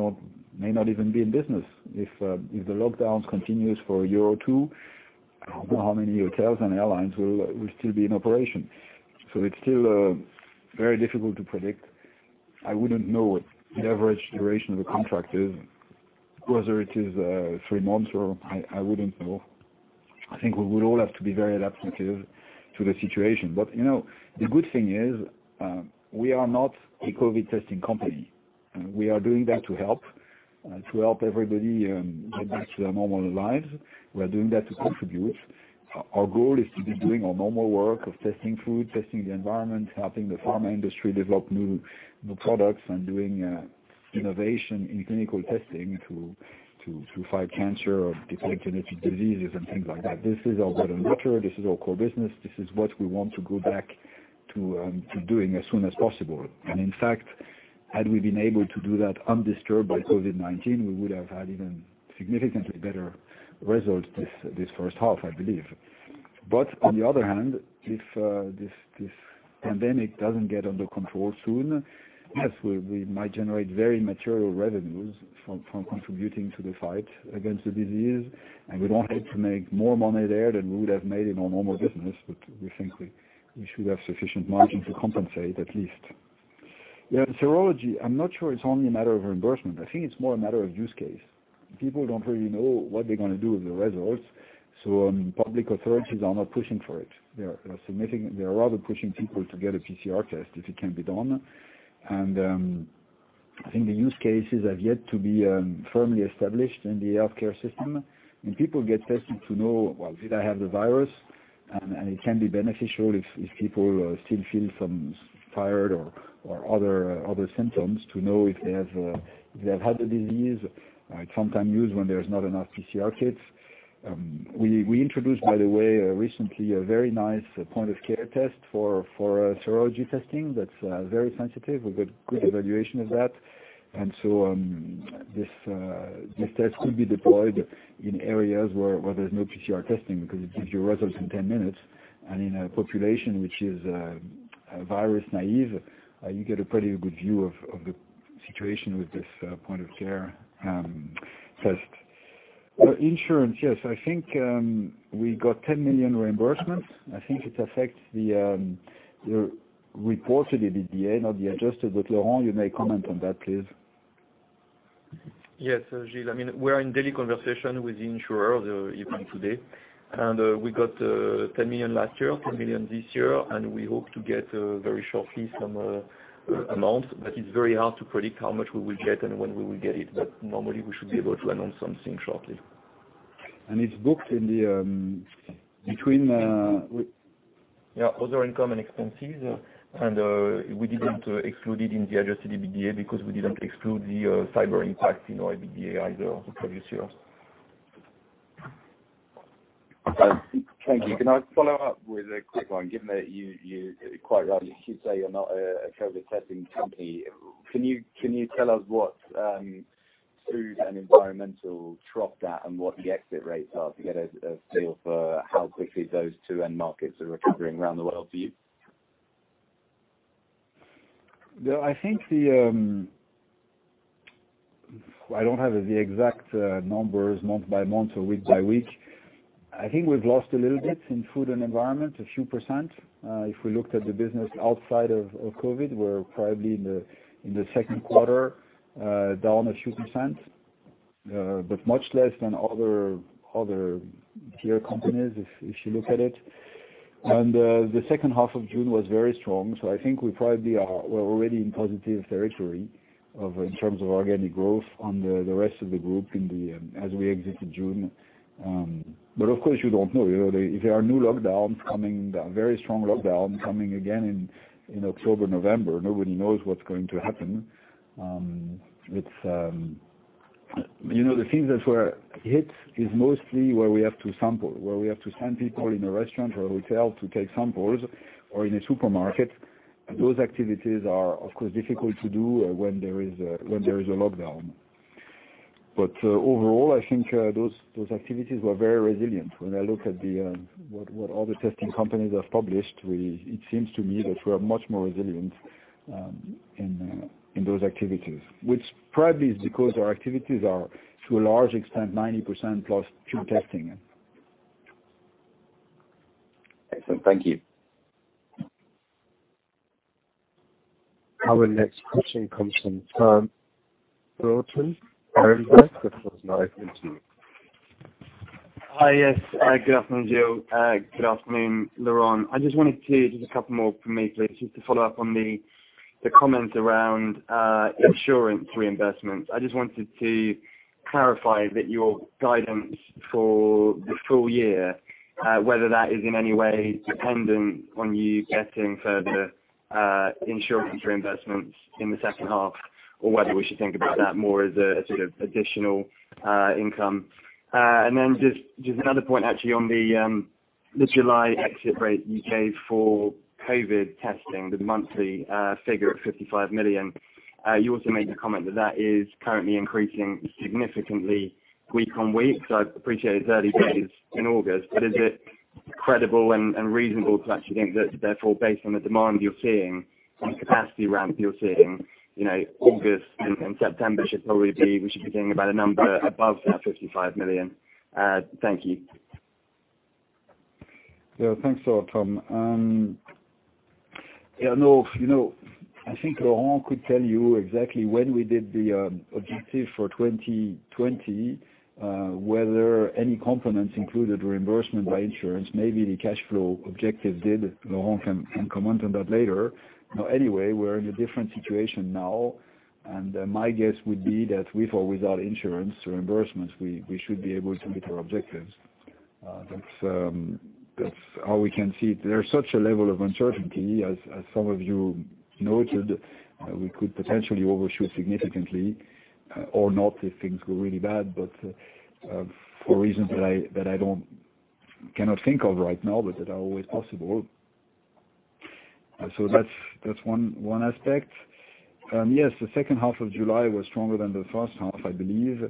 may not even be in business. If the lockdowns continues for a year or two, I don't know how many hotels and airlines will still be in operation. It's still very difficult to predict. I wouldn't know what the average duration of a contract is, whether it is three months or I wouldn't know. I think we will all have to be very adaptive to the situation. The good thing is, we are not a COVID testing company. We are doing that to help, to help everybody get back to their normal lives. We are doing that to contribute. Our goal is to be doing our normal work of testing food, testing the environment, helping the pharma industry develop new products, and doing innovation in clinical testing to fight cancer or different genetic diseases and things like that. This is our bread and butter. This is our core business. This is what we want to go back to doing as soon as possible. In fact, had we been able to do that undisturbed by COVID-19, we would have had even significantly better results this first half, I believe. On the other hand, if this pandemic doesn't get under control soon, yes, we might generate very material revenues from contributing to the fight against the disease, and we don't hope to make more money there than we would have made in our normal business. we think we should have sufficient margin to compensate, at least. Yeah, serology, I'm not sure it's only a matter of reimbursement. I think it's more a matter of use case. People don't really know what they're going to do with the results, so public authorities are not pushing for it. They are rather pushing people to get a PCR test if it can be done. I think the use cases have yet to be firmly established in the healthcare system. When people get tested to know, well, did I have the virus? It can be beneficial if people still feel some tired or other symptoms to know if they have had the disease. It's sometimes used when there's not enough PCR kits. We introduced, by the way, recently, a very nice point-of-care test for serology testing that's very sensitive. We got good evaluation of that. This test could be deployed in areas where there's no PCR testing because it gives you results in 10 minutes. In a population which is virus naive, you get a pretty good view of the situation with this point-of-care test. For insurance, yes, I think we got 10 million reimbursements. I think it affects the reported EBITDA, not the adjusted. Laurent, you may comment on that, please. Yes. Gilles, we're in daily conversation with the insurer, even today. We got 10 million last year, 10 million this year, and we hope to get very shortly some amount. It's very hard to predict how much we will get and when we will get it, but normally, we should be able to announce something shortly. It's booked in between. Yeah, other income and expenses. We didn't exclude it in the adjusted EBITDA because we didn't exclude the cyber impact in our EBITDA either of the previous years. Thank you. Can I follow up with a quick one? Given that you quite rightly say you're not a COVID testing company, can you tell us what food and environmental throughput that and what the exit rates are to get a feel for how quickly those two end markets are recovering around the world for you? I don't have the exact numbers month by month or week by week. I think we've lost a little bit in food and environment, a few %. If we looked at the business outside of COVID, we're probably in the second quarter, down a few %, but much less than other peer companies, if you look at it. The second half of June was very strong. I think we probably are already in positive territory in terms of organic growth on the rest of the group as we exited June. Of course, you don't know. If there are new lockdowns coming, very strong lockdowns coming again in October, November, nobody knows what's going to happen. The things that were hit is mostly where we have to sample, where we have to send people in a restaurant or a hotel to take samples or in a supermarket. Those activities are, of course, difficult to do when there is a lockdown. overall, I think those activities were very resilient. When I look at what all the testing companies have published, it seems to me that we are much more resilient in those activities, which probably is because our activities are, to a large extent, 90%+ pure testing. Excellent. Thank you. Our next question comes from Tom Burlton, Berenberg. The floor is now open to you. Hi. Yes. Hi, good afternoon, Gilles. Good afternoon, Laurent. just a couple more from me, please, just to follow up on the comments around insurance reimbursements. I just wanted to clarify that your guidance for the full-year, whether that is in any way dependent on you getting further insurance reimbursements in the second half or whether we should think about that more as a sort of additional income. just another point, actually, on the July exit rate you gave for COVID testing, the monthly figure of 55 million. You also made the comment that is currently increasing significantly week on week. I appreciate it's early days in August, but is it credible and reasonable to actually think that therefore, based on the demand you're seeing and the capacity ramp you're seeing, August and September, we should be seeing about a number above that 55 million? Thank you. Yeah. Thanks, Tom. I think Laurent could tell you exactly when we did the objective for 2020, whether any components included reimbursement by insurance, maybe the cash flow objective did. Laurent can comment on that later. Anyway, we're in a different situation now, and my guess would be that with or without insurance reimbursements, we should be able to meet our objectives. That's how we can see it. There's such a level of uncertainty, as some of you noted, we could potentially overshoot significantly or not if things go really bad, but for reasons that I cannot think of right now, but that are always possible. That's one aspect. Yes, the second half of July was stronger than the first half, I believe.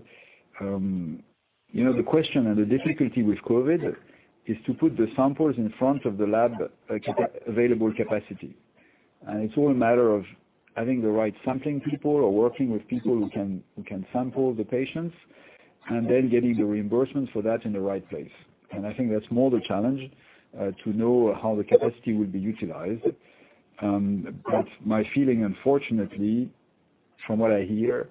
The question and the difficulty with COVID is to put the samples in front of the lab available capacity. It's all a matter of having the right sampling people or working with people who can sample the patients, and then getting the reimbursement for that in the right place. I think that's more the challenge, to know how the capacity will be utilized. My feeling, unfortunately, from what I hear,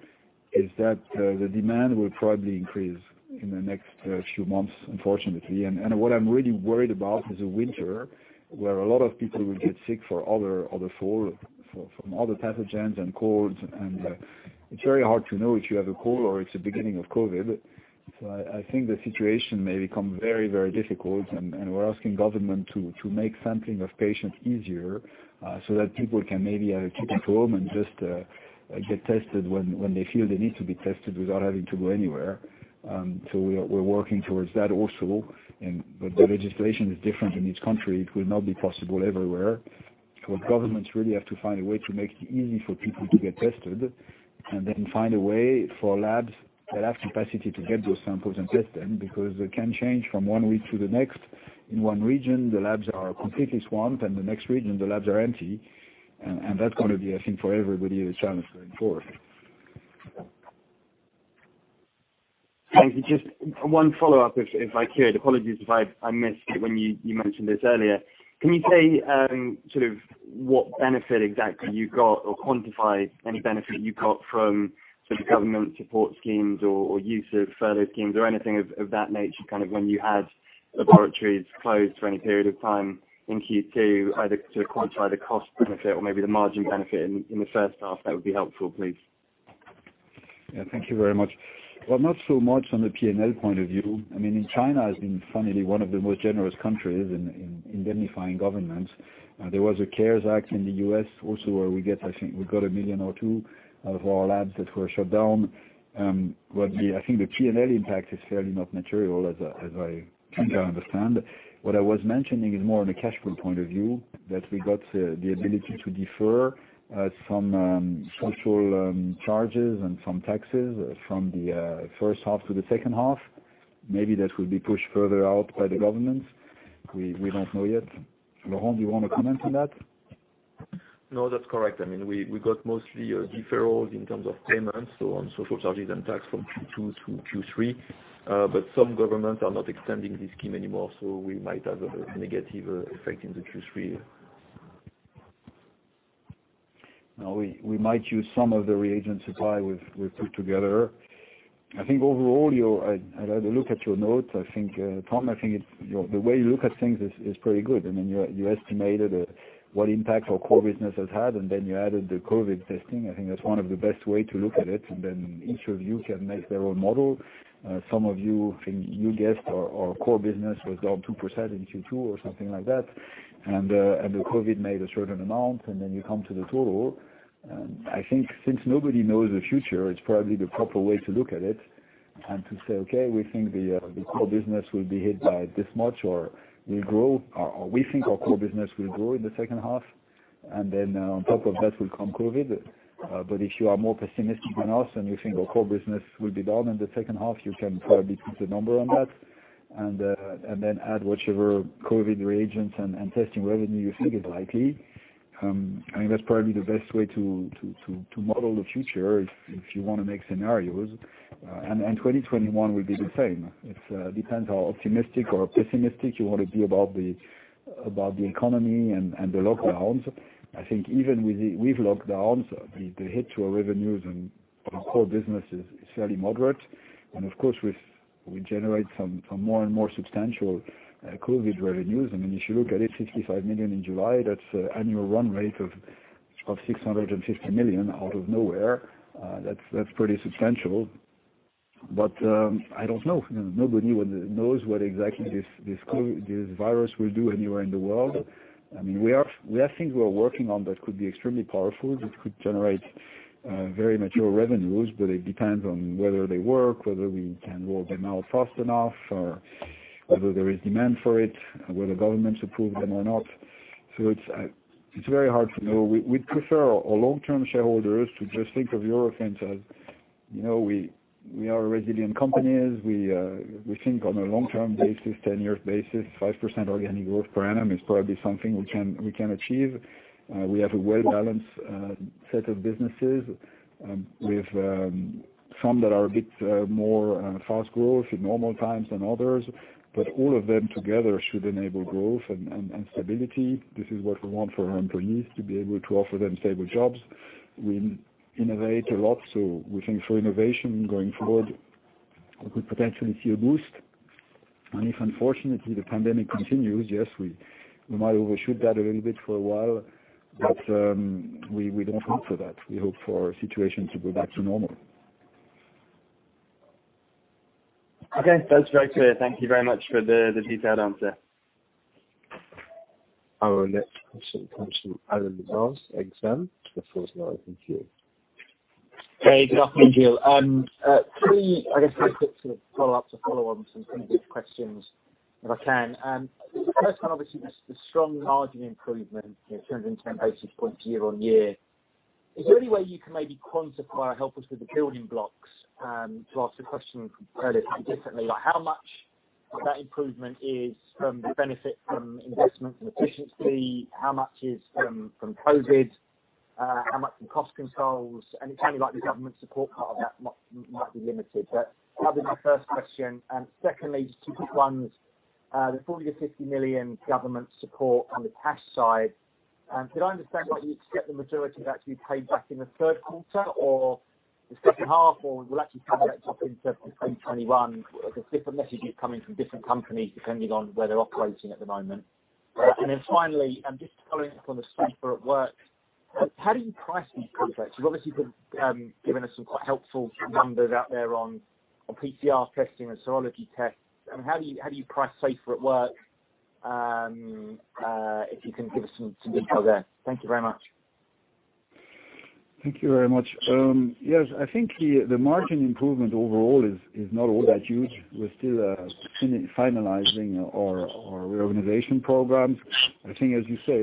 is that the demand will probably increase in the next few months, unfortunately. What I'm really worried about is the winter, where a lot of people will get sick from other pathogens and colds, and it's very hard to know if you have a cold or it's the beginning of COVID. I think the situation may become very difficult, and we're asking government to make sampling of patients easier so that people can maybe keep at home and just get tested when they feel they need to be tested without having to go anywhere. We're working towards that also. The legislation is different in each country. It will not be possible everywhere. Governments really have to find a way to make it easy for people to get tested, and then find a way for labs that have capacity to get those samples and test them, because it can change from one week to the next. In one region, the labs are completely swamped, and the next region, the labs are empty. That's going to be, I think, for everybody, a challenge going forward. Thank you. Just one follow-up, if I could. Apologies if I missed it when you mentioned this earlier. Can you say sort of what benefit exactly you got or quantify any benefit you got from sort of government support schemes or use of furlough schemes or anything of that nature, kind of when you had laboratories closed for any period of time in Q2, either to quantify the cost benefit or maybe the margin benefit in the first half? That would be helpful, please. Yeah, thank you very much. Well, not so much on the P&L point of view. In China has been funnily one of the most generous countries in. [inaudible] There was a CARES Act in the U.S. also, where we get, I think, we got 1 million or 2 million out of our labs that were shut down. I think the P&L impact is fairly not material, as I understand. What I was mentioning is more on a cash flow point of view, that we got the ability to defer some social charges and some taxes from the first half to the second half. Maybe that will be pushed further out by the government. We don't know yet. Laurent, do you want to comment on that? No, that's correct. We got mostly deferrals in terms of payments on social charges and tax from Q2 through Q3. Some governments are not extending this scheme anymore, we might have a negative effect in the Q3. We might use some of the reagent supply we've put together. I think overall, I'd had a look at your notes. Tom, I think the way you look at things is pretty good. You estimated what impact our core business has had, and then you added the COVID testing. I think that's one of the best way to look at it, and then each of you can make their own model. Some of you think you guessed our core business was down 2% in Q2 or something like that, and the COVID made a certain amount, and then you come to the total. I think since nobody knows the future, it's probably the proper way to look at it and to say, "Okay, we think the core business will be hit by this much or will grow, or we think our core business will grow in the second half, and then on top of that will come COVID." If you are more pessimistic than us and you think our core business will be down in the second half, you can probably put a number on that and then add whichever COVID reagents and testing revenue you think is likely. I think that's probably the best way to model the future if you want to make scenarios. 2021 will be the same. It depends how optimistic or pessimistic you want to be about the economy and the lockdowns. I think even with lockdowns, the hit to our revenues and our core business is fairly moderate. Of course, we generate some more and more substantial COVID revenues. If you look at it, 55 million in July, that's annual run rate of 650 million out of nowhere. That's pretty substantial. I don't know. Nobody knows what exactly this virus will do anywhere in the world. We have things we are working on that could be extremely powerful, that could generate very mature revenues, but it depends on whether they work, whether we can roll them out fast enough, or whether there is demand for it, whether governments approve them or not. It's very hard to know. We'd prefer our long-term shareholders to just think of Eurofins as we are a resilient company. We think on a long-term basis, 10-years basis, 5% organic growth per annum is probably something we can achieve. We have a well-balanced set of businesses, with some that are a bit more fast growth in normal times than others, but all of them together should enable growth and stability. This is what we want for our employees, to be able to offer them stable jobs. We innovate a lot, so we think for innovation going forward, we could potentially see a boost. If unfortunately, the pandemic continues, yes, we might overshoot that a little bit for a while, but we don't hope for that. We hope for our situation to go back to normal. Okay, that's very clear. Thank you very much for the detailed answer. Our next question comes from Alan Spence, Exane. The floor is now open to you. Good afternoon, Gilles. I guess three quick follow-ups or follow-ons on some of these questions, if I can. The first one, obviously, the strong margin improvement, 210 basis points year on year. Is there any way you can maybe quantify or help us with the building blocks? To ask the question relatively differently, how much of that improvement is from the benefit from investments and efficiency? How much is from COVID? How much from cost controls? It seems like the government support part of that might be limited, that was my first question. Secondly, just two quick ones. The 40 million-50 million government support on the cash side. Could I understand whether you'd expect the majority of that to be paid back in the third quarter, or the second half, or will it actually come back into 2021? There's different messages coming from different companies, depending on where they're operating at the moment. Finally, just following up on the Eurofins SAFER@WORK. How do you price these contracts? You've obviously given us some quite helpful numbers out there on PCR testing and serology tests. How do you price Eurofins SAFER@WORK? If you can give us some info there. Thank you very much. Thank you very much. Yes, I think the margin improvement overall is not all that huge. We're still finalizing our reorganization programs. I think, as you say,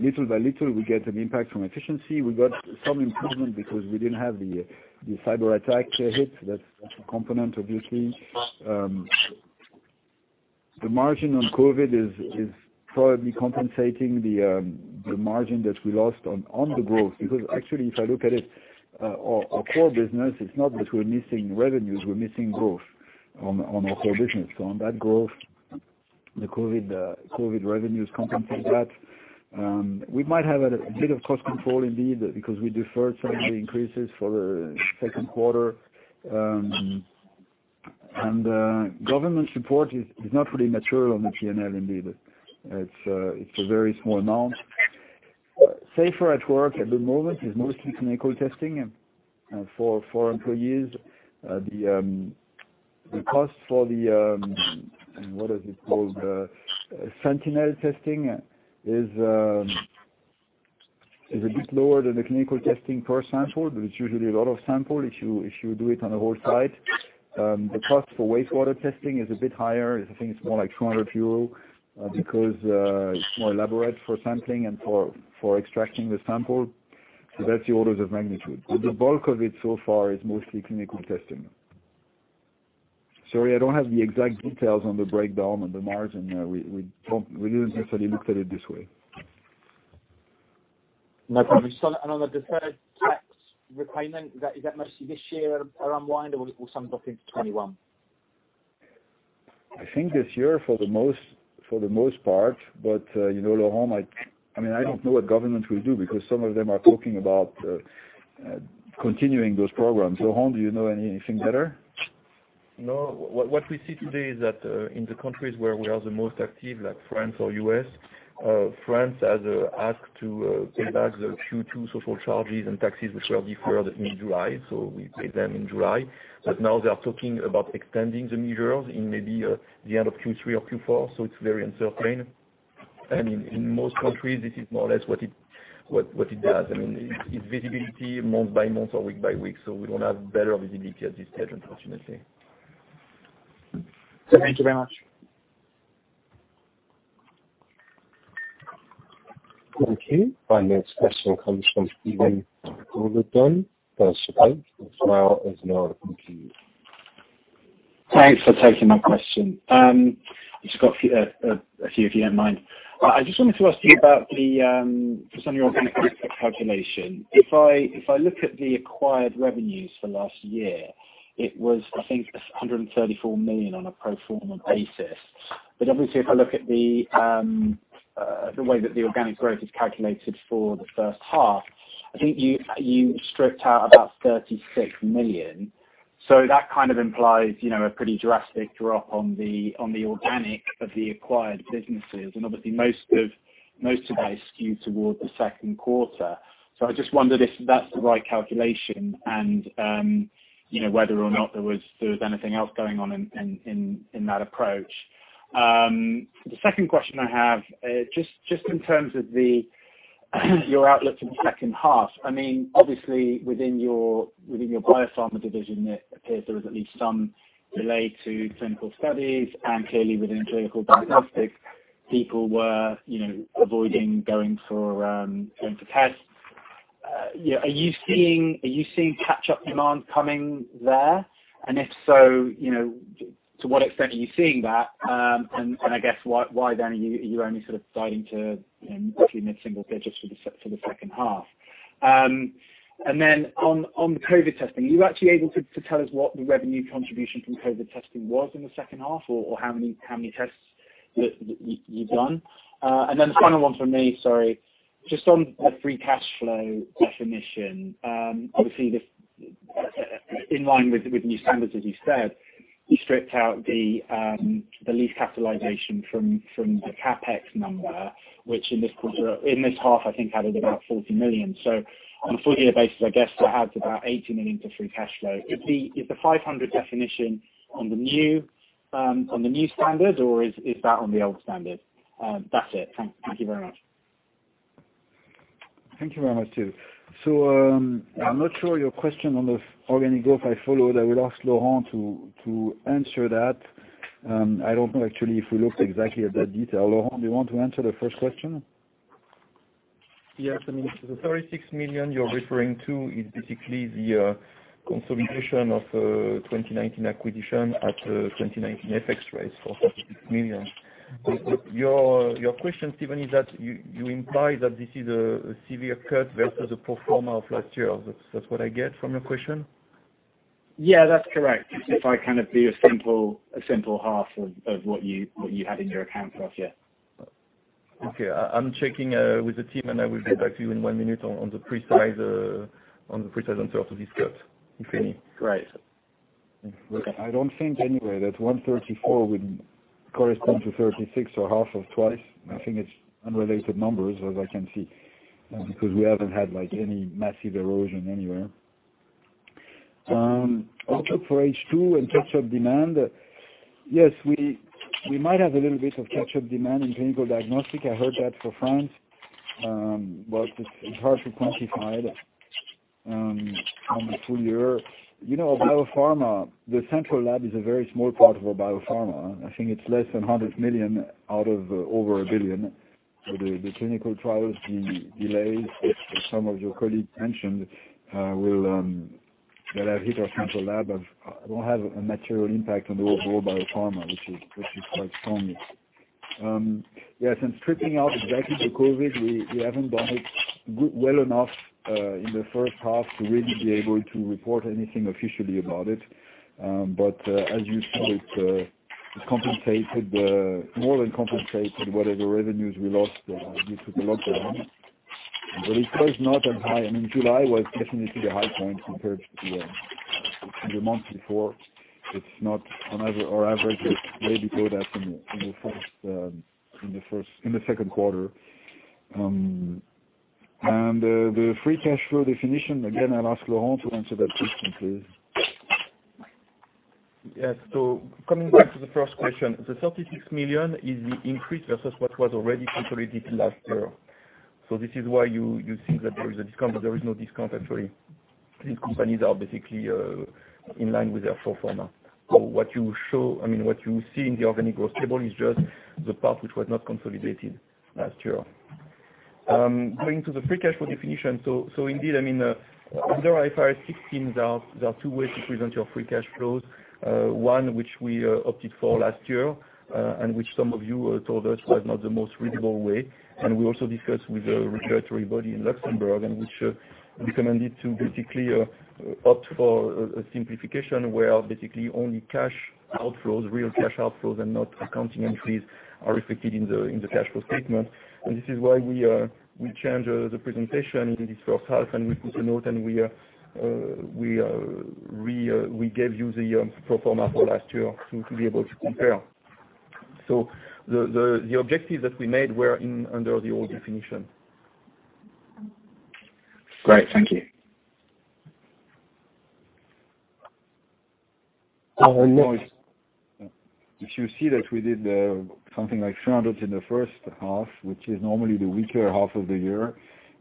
little by little, we get an impact from efficiency. We got some improvement because we didn't have the cyber attack hit. That's a component, obviously. The margin on COVID-19 is probably compensating the margin that we lost on the growth. Actually, if I look at it, our core business, it's not that we're missing revenues, we're missing growth on our core business. On that growth, the COVID-19 revenues compensate that. We might have a bit of cost control indeed, because we deferred some of the increases for the second quarter. Government support is not really material on the P&L indeed. It's a very small amount. Eurofins SAFER@WORK, at the moment, is mostly clinical testing for employees. The cost for the, what is it called? Sentinel testing is a bit lower than the clinical testing per sample, but it's usually a lot of sample if you do it on the whole site. The cost for wastewater testing is a bit higher. I think it's more like 200 euro because it's more elaborate for sampling and for extracting the sample. That's the orders of magnitude. The bulk of it so far is mostly clinical testing. Sorry, I don't have the exact details on the breakdown on the margin. We didn't necessarily look at it this way. No problem. On the deferred tax repayment, is that mostly this year unwind, or will some drop into 2021? I think this year for the most part, but Laurent, I don't know what government will do because some of them are talking about continuing those programs. Laurent, do you know anything better? No. What we see today is that in the countries where we are the most active, like France or U.S., France has asked to pay back the Q2 social charges and taxes which were deferred mid-July. We paid them in July. Now they are talking about extending the measures in maybe the end of Q3 or Q4, it's very uncertain. In most countries, this is more or less what it does. It's visibility month by month or week by week, we don't have better visibility at this stage, unfortunately. Thank you very much. Thank you. Our next question comes from Stephen Holledonne, Berenberg. The floor is now open to you. Thanks for taking my question. Just got a few, if you don't mind. I just wanted to ask you about some of your organic growth calculation. If I look at the acquired revenues for last year, it was, I think, 134 million on a pro forma basis. Obviously, if I look at the way that the organic growth is calculated for the first half, I think you stripped out about 36 million. That kind of implies a pretty drastic drop on the organic of the acquired businesses, and obviously most of that is skewed towards the second quarter. I just wonder if that's the right calculation and whether or not there was anything else going on in that approach. The second question I have, just in terms of your outlook for the second half. Obviously, within your Biopharma division, it appears there was at least some delay to clinical studies, and clearly within Clinical Diagnostics, people were avoiding going for tests. Are you seeing catch-up demand coming there? If so, to what extent are you seeing that? I guess, why then are you only sort of guiding to mid-single digits for the second half? On the COVID testing, are you actually able to tell us what the revenue contribution from COVID testing was in the second half? How many tests you've done? The final one from me, sorry, just on the free cash flow definition. Obviously, in line with new standards, as you said. You stripped out the lease capitalization from the CapEx number, which in this half, I think, added about 40 million on a full-year basis, I guess that adds about 80 million to free cash flow. Is the 500 definition on the new standard, or is that on the old standard? That's it. Thank you very much. Thank you very much, too. I'm not sure your question on the organic growth I followed. I will ask Laurent to answer that. I don't know, actually, if we looked exactly at that detail. Laurent, do you want to answer the first question? Yes. The 36 million you're referring to is basically the consolidation of 2019 acquisition at the 2019 FX rates for 36 million. Your question, Stephen, is that you imply that this is a severe cut versus a pro forma of last year. That's what I get from your question? Yeah, that's correct. If I kind of do a simple half of what you had in your accounts last year. Okay. I'm checking with the team, and I will get back to you in one minute on the precise answer of these cuts, if any. Great. I don't think anywhere that 134 would correspond to 36 or half of twice. I think it's unrelated numbers as I can see, because we haven't had any massive erosion anywhere. Also, for H2 and catch-up demand, yes, we might have a little bit of catch-up demand in clinical diagnostic. I heard that for France, but it's hard to quantify it on a full-year. You know, biopharma, the central lab is a very small part of our biopharma. I think it's less than 100 million out of over 1 billion. The clinical trials, the delays that some of your colleagues mentioned that have hit our central lab won't have a material impact on the overall biopharma, which is quite strong. Yes, stripping out exactly the COVID, we haven't done it well enough in the first half to really be able to report anything officially about it as you saw, it more than compensated whatever revenues we lost due to the lockdown. it was not that high. July was definitely the high point compared to the month before. It's not our average. It's way below that in the second quarter. the free cash flow definition, again, I'll ask Laurent to answer that question, please. Yes. Coming back to the first question, the 36 million is the increase versus what was already consolidated last year. This is why you think that there is a discount, but there is no discount actually. These companies are basically in line with their pro forma. What you see in the organic growth table is just the part which was not consolidated last year. Going to the free cash flow definition. Indeed, under IFRS 16, there are two ways to present your free cash flows. One, which we opted for last year, and which some of you told us was not the most readable way. We also discussed with a regulatory body in Luxembourg, and which recommended to basically opt for a simplification where basically only cash outflows, real cash outflows and not accounting entries, are reflected in the cash flow statement this is why we changed the presentation in this first half, and we put a note, and we gave you the pro forma for last year to be able to compare. The objectives that we made were under the old definition. Great. Thank you. If you see that we did something like 300 in the first half, which is normally the weaker half of the year,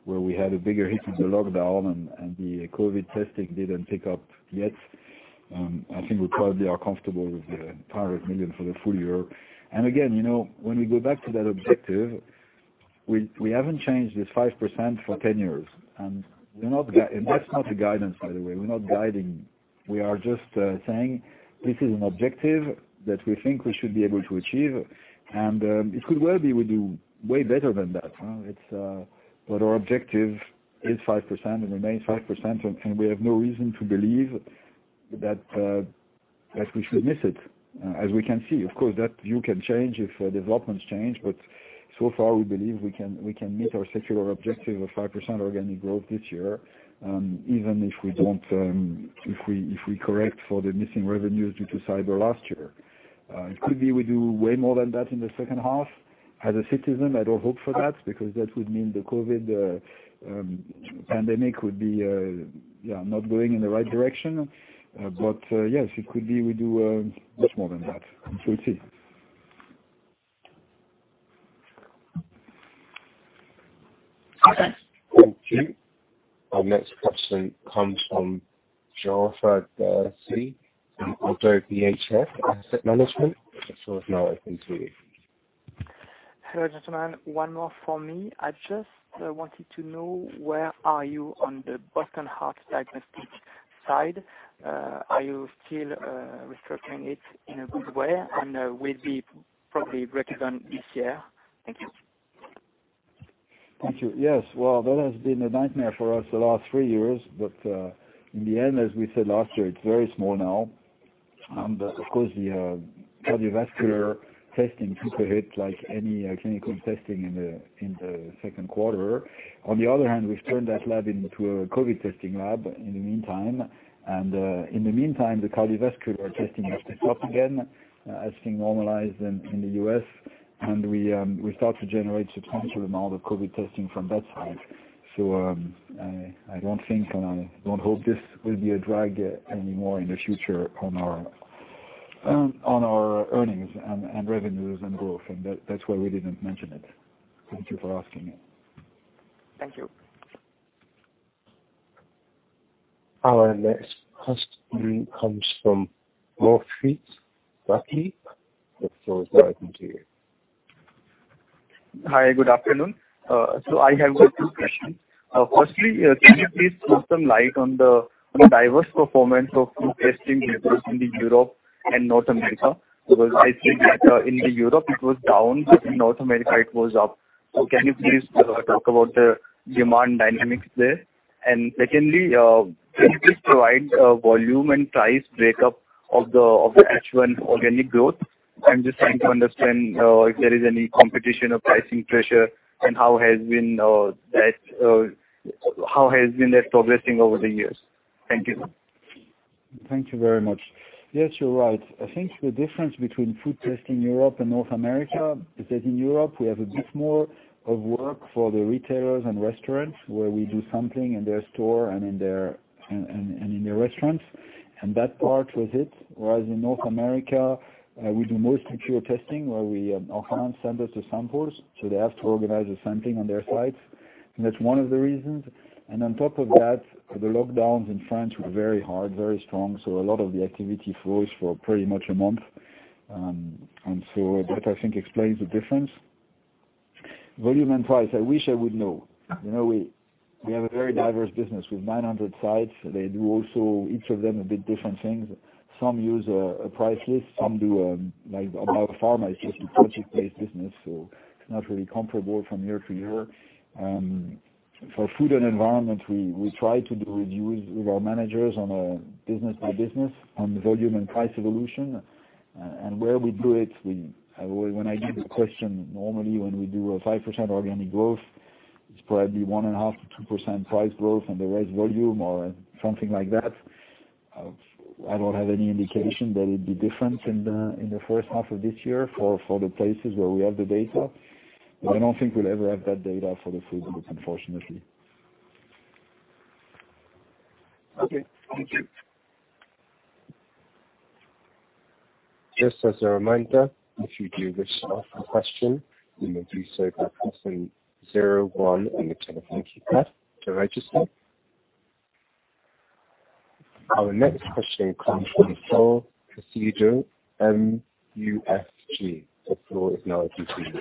where we had a bigger hit with the lockdown and the COVID testing didn't pick up yet, I think we probably are comfortable with the 500 million for the full-year. Again, when we go back to that objective, we haven't changed this 5% for 10 years. That's not a guidance, by the way. We're not guiding. We are just saying this is an objective that we think we should be able to achieve, and it could well be we do way better than that. Our objective is 5% and remains 5%, and we have no reason to believe that we should miss it. As we can see, of course, that view can change if developments change. So far, we believe we can meet our secular objective of 5% organic growth this year, even if we correct for the missing revenues due to cyber last year. It could be we do way more than that in the second half. As a citizen, I don't hope for that because that would mean the COVID pandemic would be not going in the right direction. Yes, it could be we do much more than that. We'll see. Okay. Thank you. Our next question comes from Jonathan Darcy from Oddo BHF Asset Management. The floor is now open to you. Hello, gentlemen. One more from me. I just wanted to know where are you on the Boston Heart Diagnostics side? Are you still restructuring it in a good way and will it be probably broken down this year? Thank you. Thank you. Yes. Well, that has been a nightmare for us the last three years. In the end, as we said last year, it's very small now. Of course, the cardiovascular testing took a hit like any clinical testing in the second quarter. On the other hand, we've turned that lab into a COVID testing lab in the meantime, and in the meantime, the cardiovascular testing has picked up again as things normalize in the U.S., and we start to generate substantial amount of COVID testing from that side. I don't think, and I don't hope this will be a drag anymore in the future on our earnings and revenues and growth, and that's why we didn't mention it. Thank you for asking it. Thank you. Our next question comes from Mourad Lahmidi. The floor is now open to you. Hi, good afternoon. I have two questions. Firstly, can you please shed some light on the diverse performance of food testing business in the Europe and North America? Because I think that in the Europe it was down, but in North America it was up. Can you please talk about the demand dynamics there? Secondly, can you please provide volume and price breakup of the H1 organic growth? I'm just trying to understand if there is any competition or pricing pressure, and how has been that progressing over the years. Thank you. Thank you very much. Yes, you're right. I think the difference between food testing Europe and North America is that in Europe we have a bit more of work for the retailers and restaurants where we do sampling in their store and in their restaurants, and that part was hit. Whereas in North America, we do most of pure testing where our clients send us the samples, so they have to organize the sampling on their sites. That's one of the reasons. On top of that, the lockdowns in France were very hard, very strong, so a lot of the activity froze for pretty much a month. That, I think, explains the difference. Volume and price, I wish I would know. We have a very diverse business with 900 sites. They do also, each of them, a bit different things. Some use a price list, some do, like biopharma, it's just a project-based business, so it's not really comparable from year to year. For food and environment, we try to do reviews with our managers on a business by business on the volume and price evolution. where we do it, when I give a question, normally when we do a 5% organic growth, it's probably 1.5%-2% price growth and the rest volume or something like that. I don't have any indication that it be different in the first half of this year for the places where we have the data. I don't think we'll ever have that data for the food business, unfortunately. Okay. Thank you. Just as a reminder, if you do wish to ask a question, you may do so by pressing zero one on your telephone keypad to register. Our next question comes from. [inaudible] The floor is now open to you.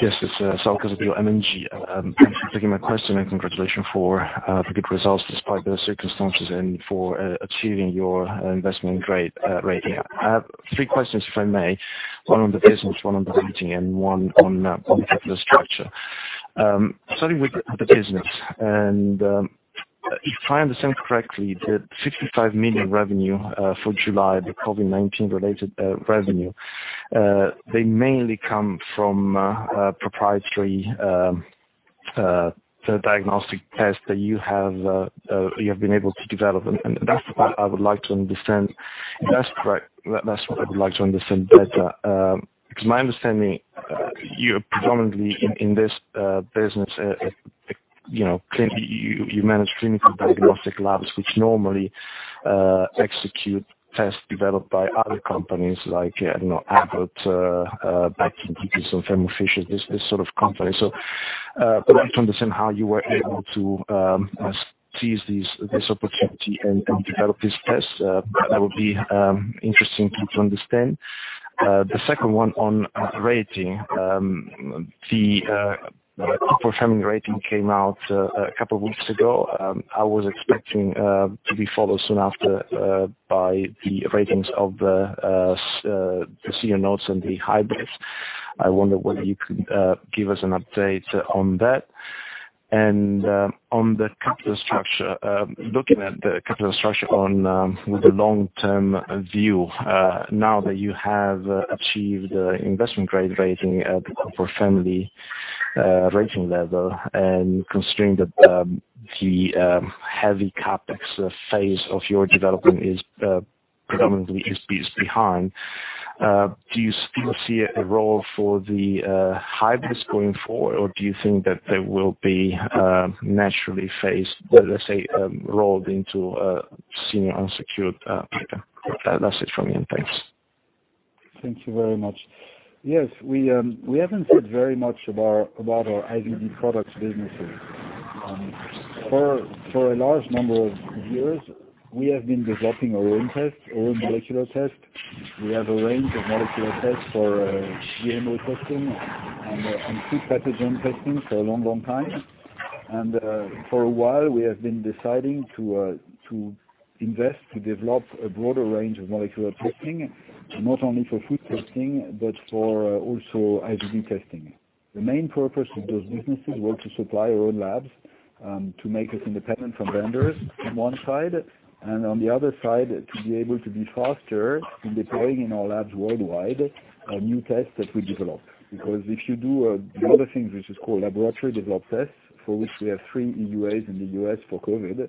Yes, it's Saul Casadio M&G. Thank you for taking my question and congratulations for the good results despite the circumstances and for achieving your investment grade rating. I have three questions, if I may. One on the business, one on the rating, and one on capital structure. Starting with the business, and if I understand correctly, the 65 million revenue for July, the COVID-19 related revenue, they mainly come from proprietary diagnostic tests that you have been able to develop. That's what I would like to understand better, because my understanding, you're predominantly in this business, you manage clinical diagnostic labs which normally execute tests developed by other companies like Abbott, Thermo Fisher, this sort of company. I'd like to understand how you were able to seize this opportunity and develop these tests. That would be interesting to understand. The second one on the rating. The corporate family rating came out a couple of weeks ago. I was expecting to be followed soon after by the ratings of the senior notes and the hybrids. I wonder whether you could give us an update on that, and on the capital structure. Looking at the capital structure with the long-term view, now that you have achieved investment grade rating at the corporate family rating level and considering that the heavy CapEx phase of your development predominantly is behind, do you still see a role for the hybrids going forward, or do you think that they will be naturally phased, let's say, rolled into senior unsecured paper? That's it from me, and thanks. Thank you very much. Yes, we haven't said very much about our IVD products businesses. For a large number of years, we have been developing our own tests, our own molecular tests. We have a range of molecular tests for GMO testing and food pathogen testing for a long, long time. For a while we have been deciding to invest, to develop a broader range of molecular testing, not only for food testing, but for also IVD testing. The main purpose of those businesses was to supply our own labs to make us independent from vendors on one side, and on the other side, to be able to be faster in deploying in our labs worldwide new tests that we develop. Because if you do another thing, which is called laboratory developed test, for which we have three EUAs in the U.S. for COVID,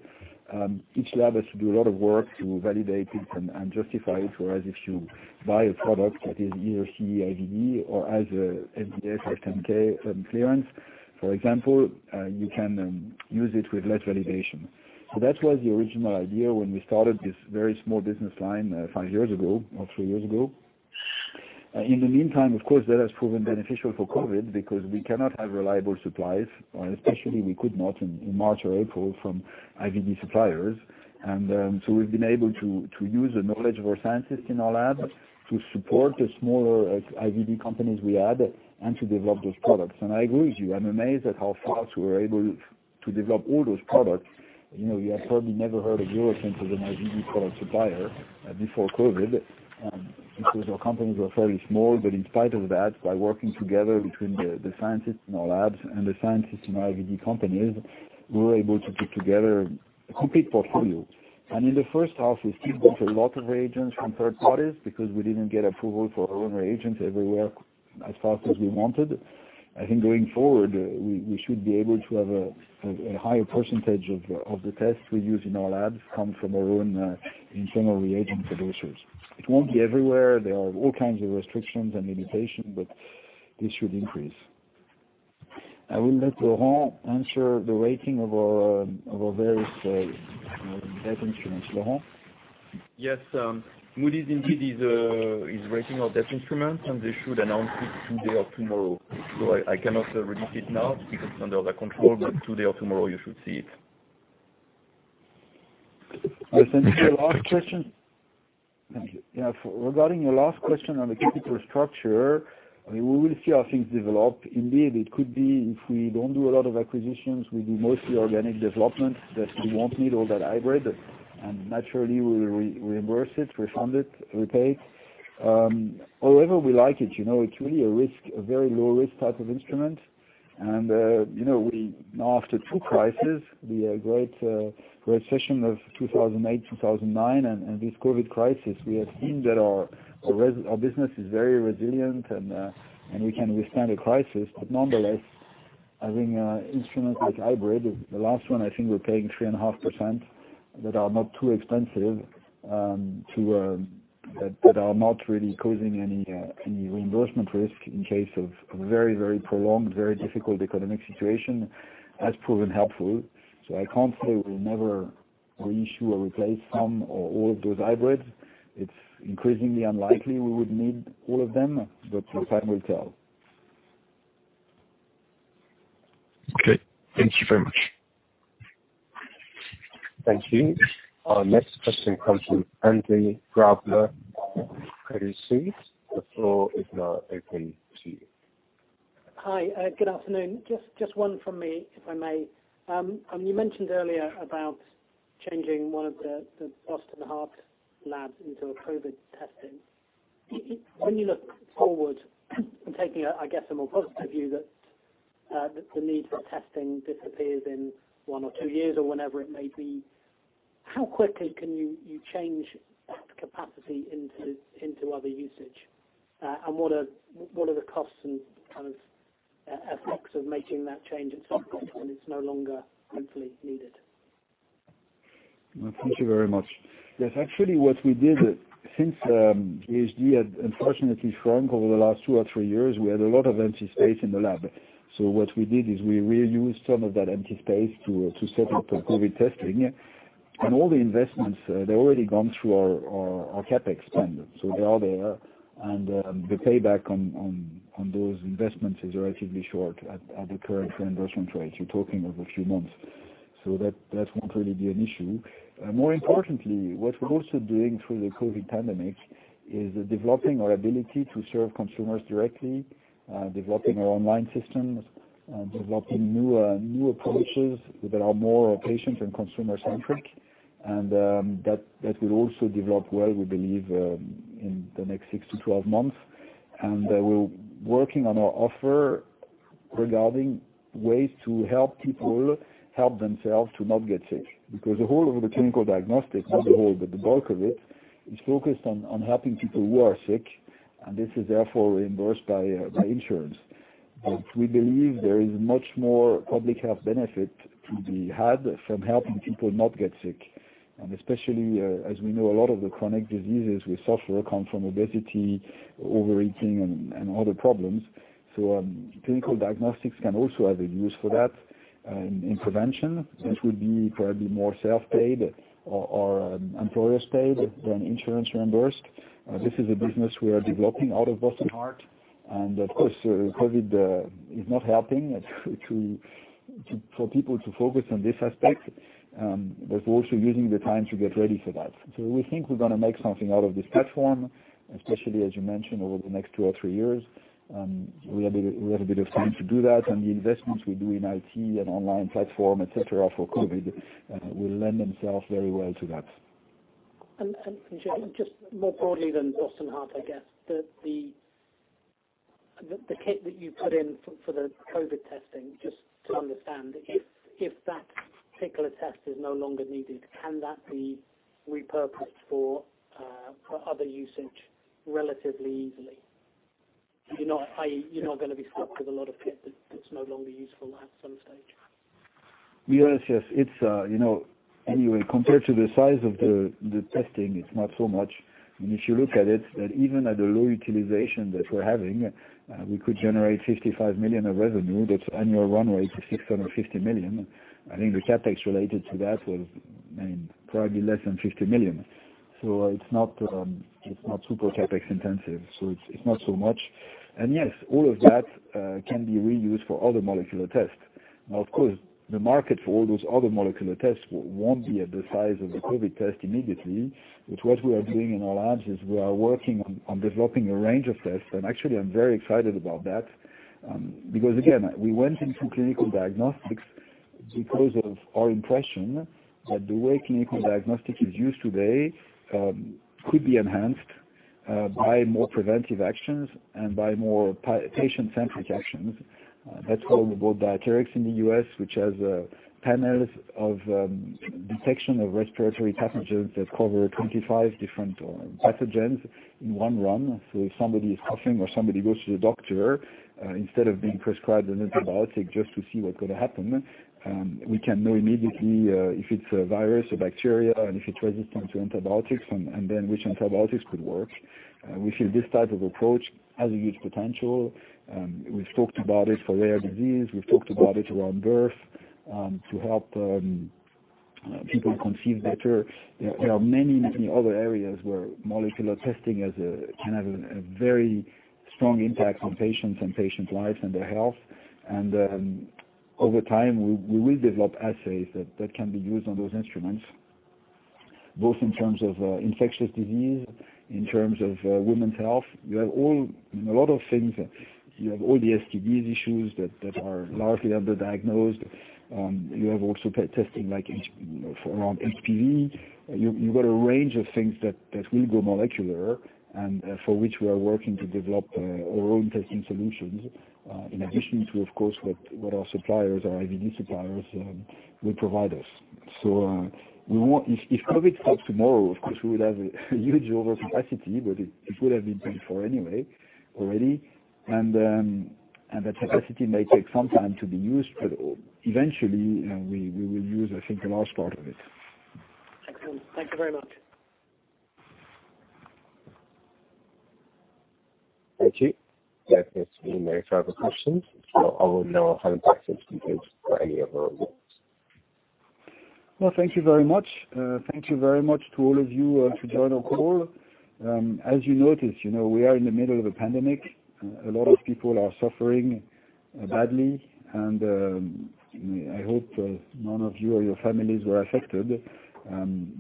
each lab has to do a lot of work to validate it and justify it. Whereas if you buy a product that is either CE-IVD, or has a FDA 510(k) clearance, for example, you can use it with less validation. That was the original idea when we started this very small business line five years ago, or three years ago. In the meantime, of course, that has proven beneficial for COVID because we cannot have reliable supplies, especially we could not in March or April from IVD suppliers. We've been able to use the knowledge of our scientists in our labs to support the smaller IVD companies we had, and to develop those products. I agree with you. I'm amazed at how fast we were able to develop all those products. You have probably never heard of Eurofins as an IVD product supplier before COVID, because our companies were fairly small. In spite of that, by working together between the scientists in our labs and the scientists in our IVD companies, we were able to put together a complete portfolio. In the first half, we still bought a lot of reagents from third parties because we didn't get approval for our own reagents everywhere as fast as we wanted. I think going forward, we should be able to have a higher percentage of the tests we use in our labs come from our own internal reagent producers. It won't be everywhere. There are all kinds of restrictions and limitations, but this should increase. I will let Laurent answer the rating of our various debt instruments. Laurent? Yes. Moody's indeed is rating our debt instruments, and they should announce it today or tomorrow. I cannot release it now because it's under their control, but today or tomorrow you should see it. Since your last question. Regarding your last question on the capital structure, we will see how things develop. Indeed, it could be if we don't do a lot of acquisitions, we do mostly organic development, that we won't need all that hybrid, and naturally, we'll reimburse it, refund it, repay it. However, we like it. It's really a very low-risk type of instrument. After two crises, the Great Recession of 2008-2009 and this COVID crisis, we have seen that our business is very resilient, and we can withstand a crisis. Nonetheless, I think instruments like hybrid, the last one, I think we're paying 3.5%, that are not too expensive, that are not really causing any reimbursement risk in case of a very prolonged, very difficult economic situation, has proven helpful. I can't say we'll never reissue or replace some or all of those hybrids. It's increasingly unlikely we would need all of them, but time will tell. Okay. Thank you very much. Thank you. Our next question comes from Andy Grobler, Credit Suisse. The floor is now open to you. Hi. Good afternoon. Just one from me, if I may. You mentioned earlier about changing one of the Boston Heart labs into a COVID testing. When you look forward and taking, I guess, a more positive view that the need for testing disappears in one or two years or whenever it may be, how quickly can you change that capacity into other usage? What are the costs and effects of making that change at some point when it's no longer hopefully needed? Thank you very much. Yes. Actually, what we did, since BHD had unfortunately shrunk over the last two or three years, we had a lot of empty space in the lab. what we did is we reused some of that empty space to set up the COVID testing. all the investments, they've already gone through our CapEx spend. they are there, and the payback on those investments is relatively short at the current reimbursement rates. You're talking of a few months. that won't really be an issue. More importantly, what we're also doing through the COVID pandemic is developing our ability to serve consumers directly, developing our online systems, and developing new approaches that are more patient and consumer-centric. that will also develop well, we believe, in the next six to 12 months. We're working on our offer regarding ways to help people help themselves to not get sick. Because the whole of the Clinical Diagnostics, not the whole, but the bulk of it, is focused on helping people who are sick, and this is therefore reimbursed by insurance. We believe there is much more public health benefit to be had from helping people not get sick. Especially, as we know, a lot of the chronic diseases we suffer come from obesity, overeating, and other problems. Clinical Diagnostics can also have a use for that in prevention, which would be probably more self-paid or employers paid than insurance reimbursed. This is a business we are developing out of Boston Heart. Of course, COVID is not helping for people to focus on this aspect. We're also using the time to get ready for that. We think we're going to make something out of this platform, especially as you mentioned, over the next two or three years. We have a bit of time to do that, and the investments we do in IT and online platform, et cetera, for COVID, will lend themselves very well to that. Just more broadly than Boston Heart, I guess. The kit that you put in for the COVID testing, just to understand, if that particular test is no longer needed, can that be repurposed for other usage relatively easily? You're not going to be stuck with a lot of kit that's no longer useful at some stage. To be honest, yes. Anyway, compared to the size of the testing, it's not so much. If you look at it, that even at the low utilization that we're having, we could generate 55 million of revenue, that's annual run rate to 650 million. I think the CapEx related to that was probably less than 50 million. It's not super CapEx intensive, so it's not so much. Yes, all of that can be reused for other molecular tests. Now, of course, the market for all those other molecular tests won't be at the size of the COVID test immediately. What we are doing in our labs is we are working on developing a range of tests, and actually, I'm very excited about that. Because again, we went into Clinical Diagnostics because of our impression that the way clinical diagnostic is used today could be enhanced by more preventive actions and by more patient-centric actions. That's why we bought Diatherix in the U.S., which has panels of detection of respiratory pathogens that cover 25 different pathogens in one run. If somebody is coughing or somebody goes to the doctor, instead of being prescribed an antibiotic just to see what could happen, we can know immediately, if it's a virus or bacteria and if it's resistant to antibiotics, and then which antibiotics could work. We feel this type of approach has a huge potential. We've talked about it for rare disease. We've talked about it around birth, to help people conceive better. There are many other areas where molecular testing can have a very strong impact on patients and patients' lives and their health. Over time, we will develop assays that can be used on those instruments, both in terms of infectious disease, in terms of women's health. You have all, a lot of things. You have all the STDs issues that are largely underdiagnosed. You have also testing around HPV. You've got a range of things that will go molecular and for which we are working to develop our own testing solutions. In addition to, of course, what our suppliers, our IVD suppliers will provide us. If COVID stops tomorrow, of course, we will have a huge overcapacity, but it would have been before anyway, already. That capacity may take some time to be used, but eventually, we will use, I think, a large part of it. Excellent. Thank you very much. Thank you. That is all for questions. now back to Gilles for any other words. Well, thank you very much. Thank you very much to all of you to join our call. As you noticed, we are in the middle of a pandemic. A lot of people are suffering badly, and I hope none of you or your families were affected.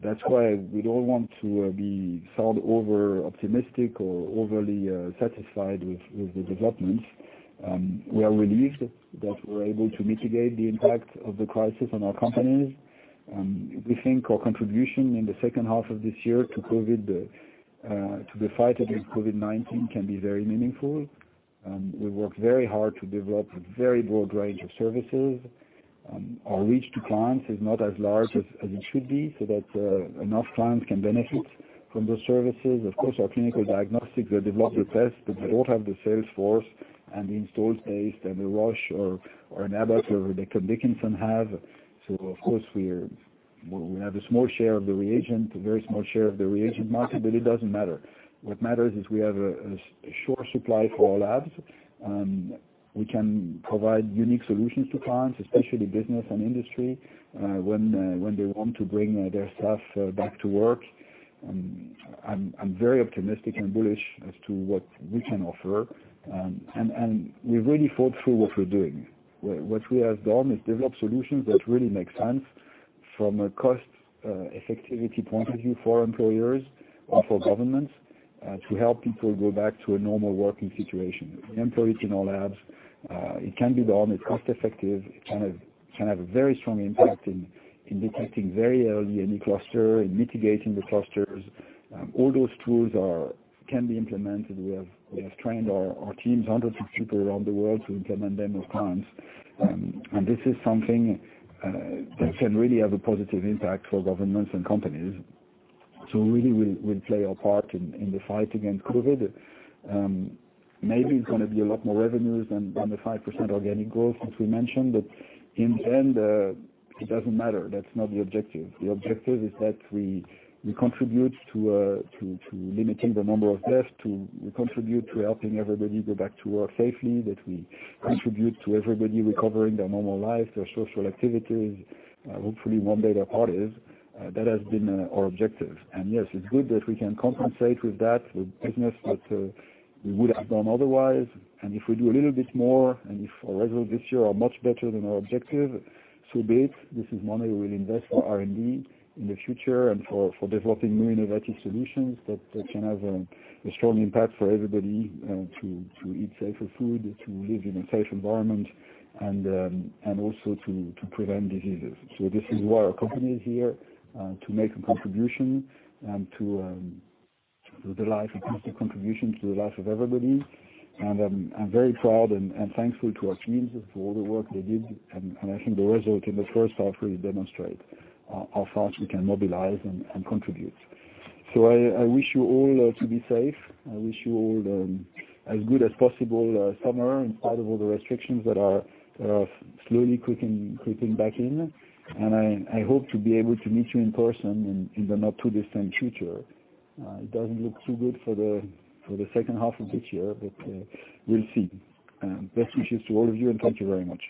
That's why we don't want to be found over-optimistic or overly satisfied with the developments. We are relieved that we're able to mitigate the impact of the crisis on our companies. We think our contribution in the second half of this year to the fight against COVID-19 can be very meaningful. We've worked very hard to develop a very broad range of services. Our reach to clients is not as large as it should be so that enough clients can benefit from those services. Of course, our clinical diagnostics, we developed the test, but we don't have the sales force and the installed base that a Roche or an Abbott or a Becton Dickinson have. Of course, we have a small share of the reagent, a very small share of the reagent market, but it doesn't matter. What matters is we have a sure supply for our labs. We can provide unique solutions to clients, especially business and industry, when they want to bring their staff back to work. I'm very optimistic and bullish as to what we can offer. We really thought through what we're doing. What we have done is develop solutions that really make sense from a cost-effectiveness point of view for employers or for governments, to help people go back to a normal working situation. The employees in our labs, it can be done, it's cost-effective. It can have a very strong impact in detecting very early any cluster and mitigating the clusters. All those tools can be implemented. We have trained our teams, hundreds of people around the world, to implement them with clients. This is something that can really have a positive impact for governments and companies. Really, we'll play our part in the fight against COVID. Maybe it's going to be a lot more revenues than the 5% organic growth as we mentioned. In the end, it doesn't matter. That's not the objective. The objective is that we contribute to limiting the number of deaths, we contribute to helping everybody go back to work safely, that we contribute to everybody recovering their normal life, their social activities, hopefully one day their parties. That has been our objective. yes, it's good that we can compensate with that, with business that we would have done otherwise. if we do a little bit more, and if our results this year are much better than our objective, so be it. This is money we'll invest for R&D in the future and for developing new innovative solutions that can have a strong impact for everybody, to eat safer food, to live in a safe environment, and also to prevent diseases. this is why our company is here, to make a contribution to the life, a positive contribution to the life of everybody. I'm very proud and thankful to our teams for all the work they did. I think the result in the first half really demonstrate how fast we can mobilize and contribute. I wish you all to be safe. I wish you all as good as possible summer in spite of all the restrictions that are slowly creeping back in. I hope to be able to meet you in person in the not too distant future. It doesn't look too good for the second half of this year, but we'll see. Best wishes to all of you, and thank you very much.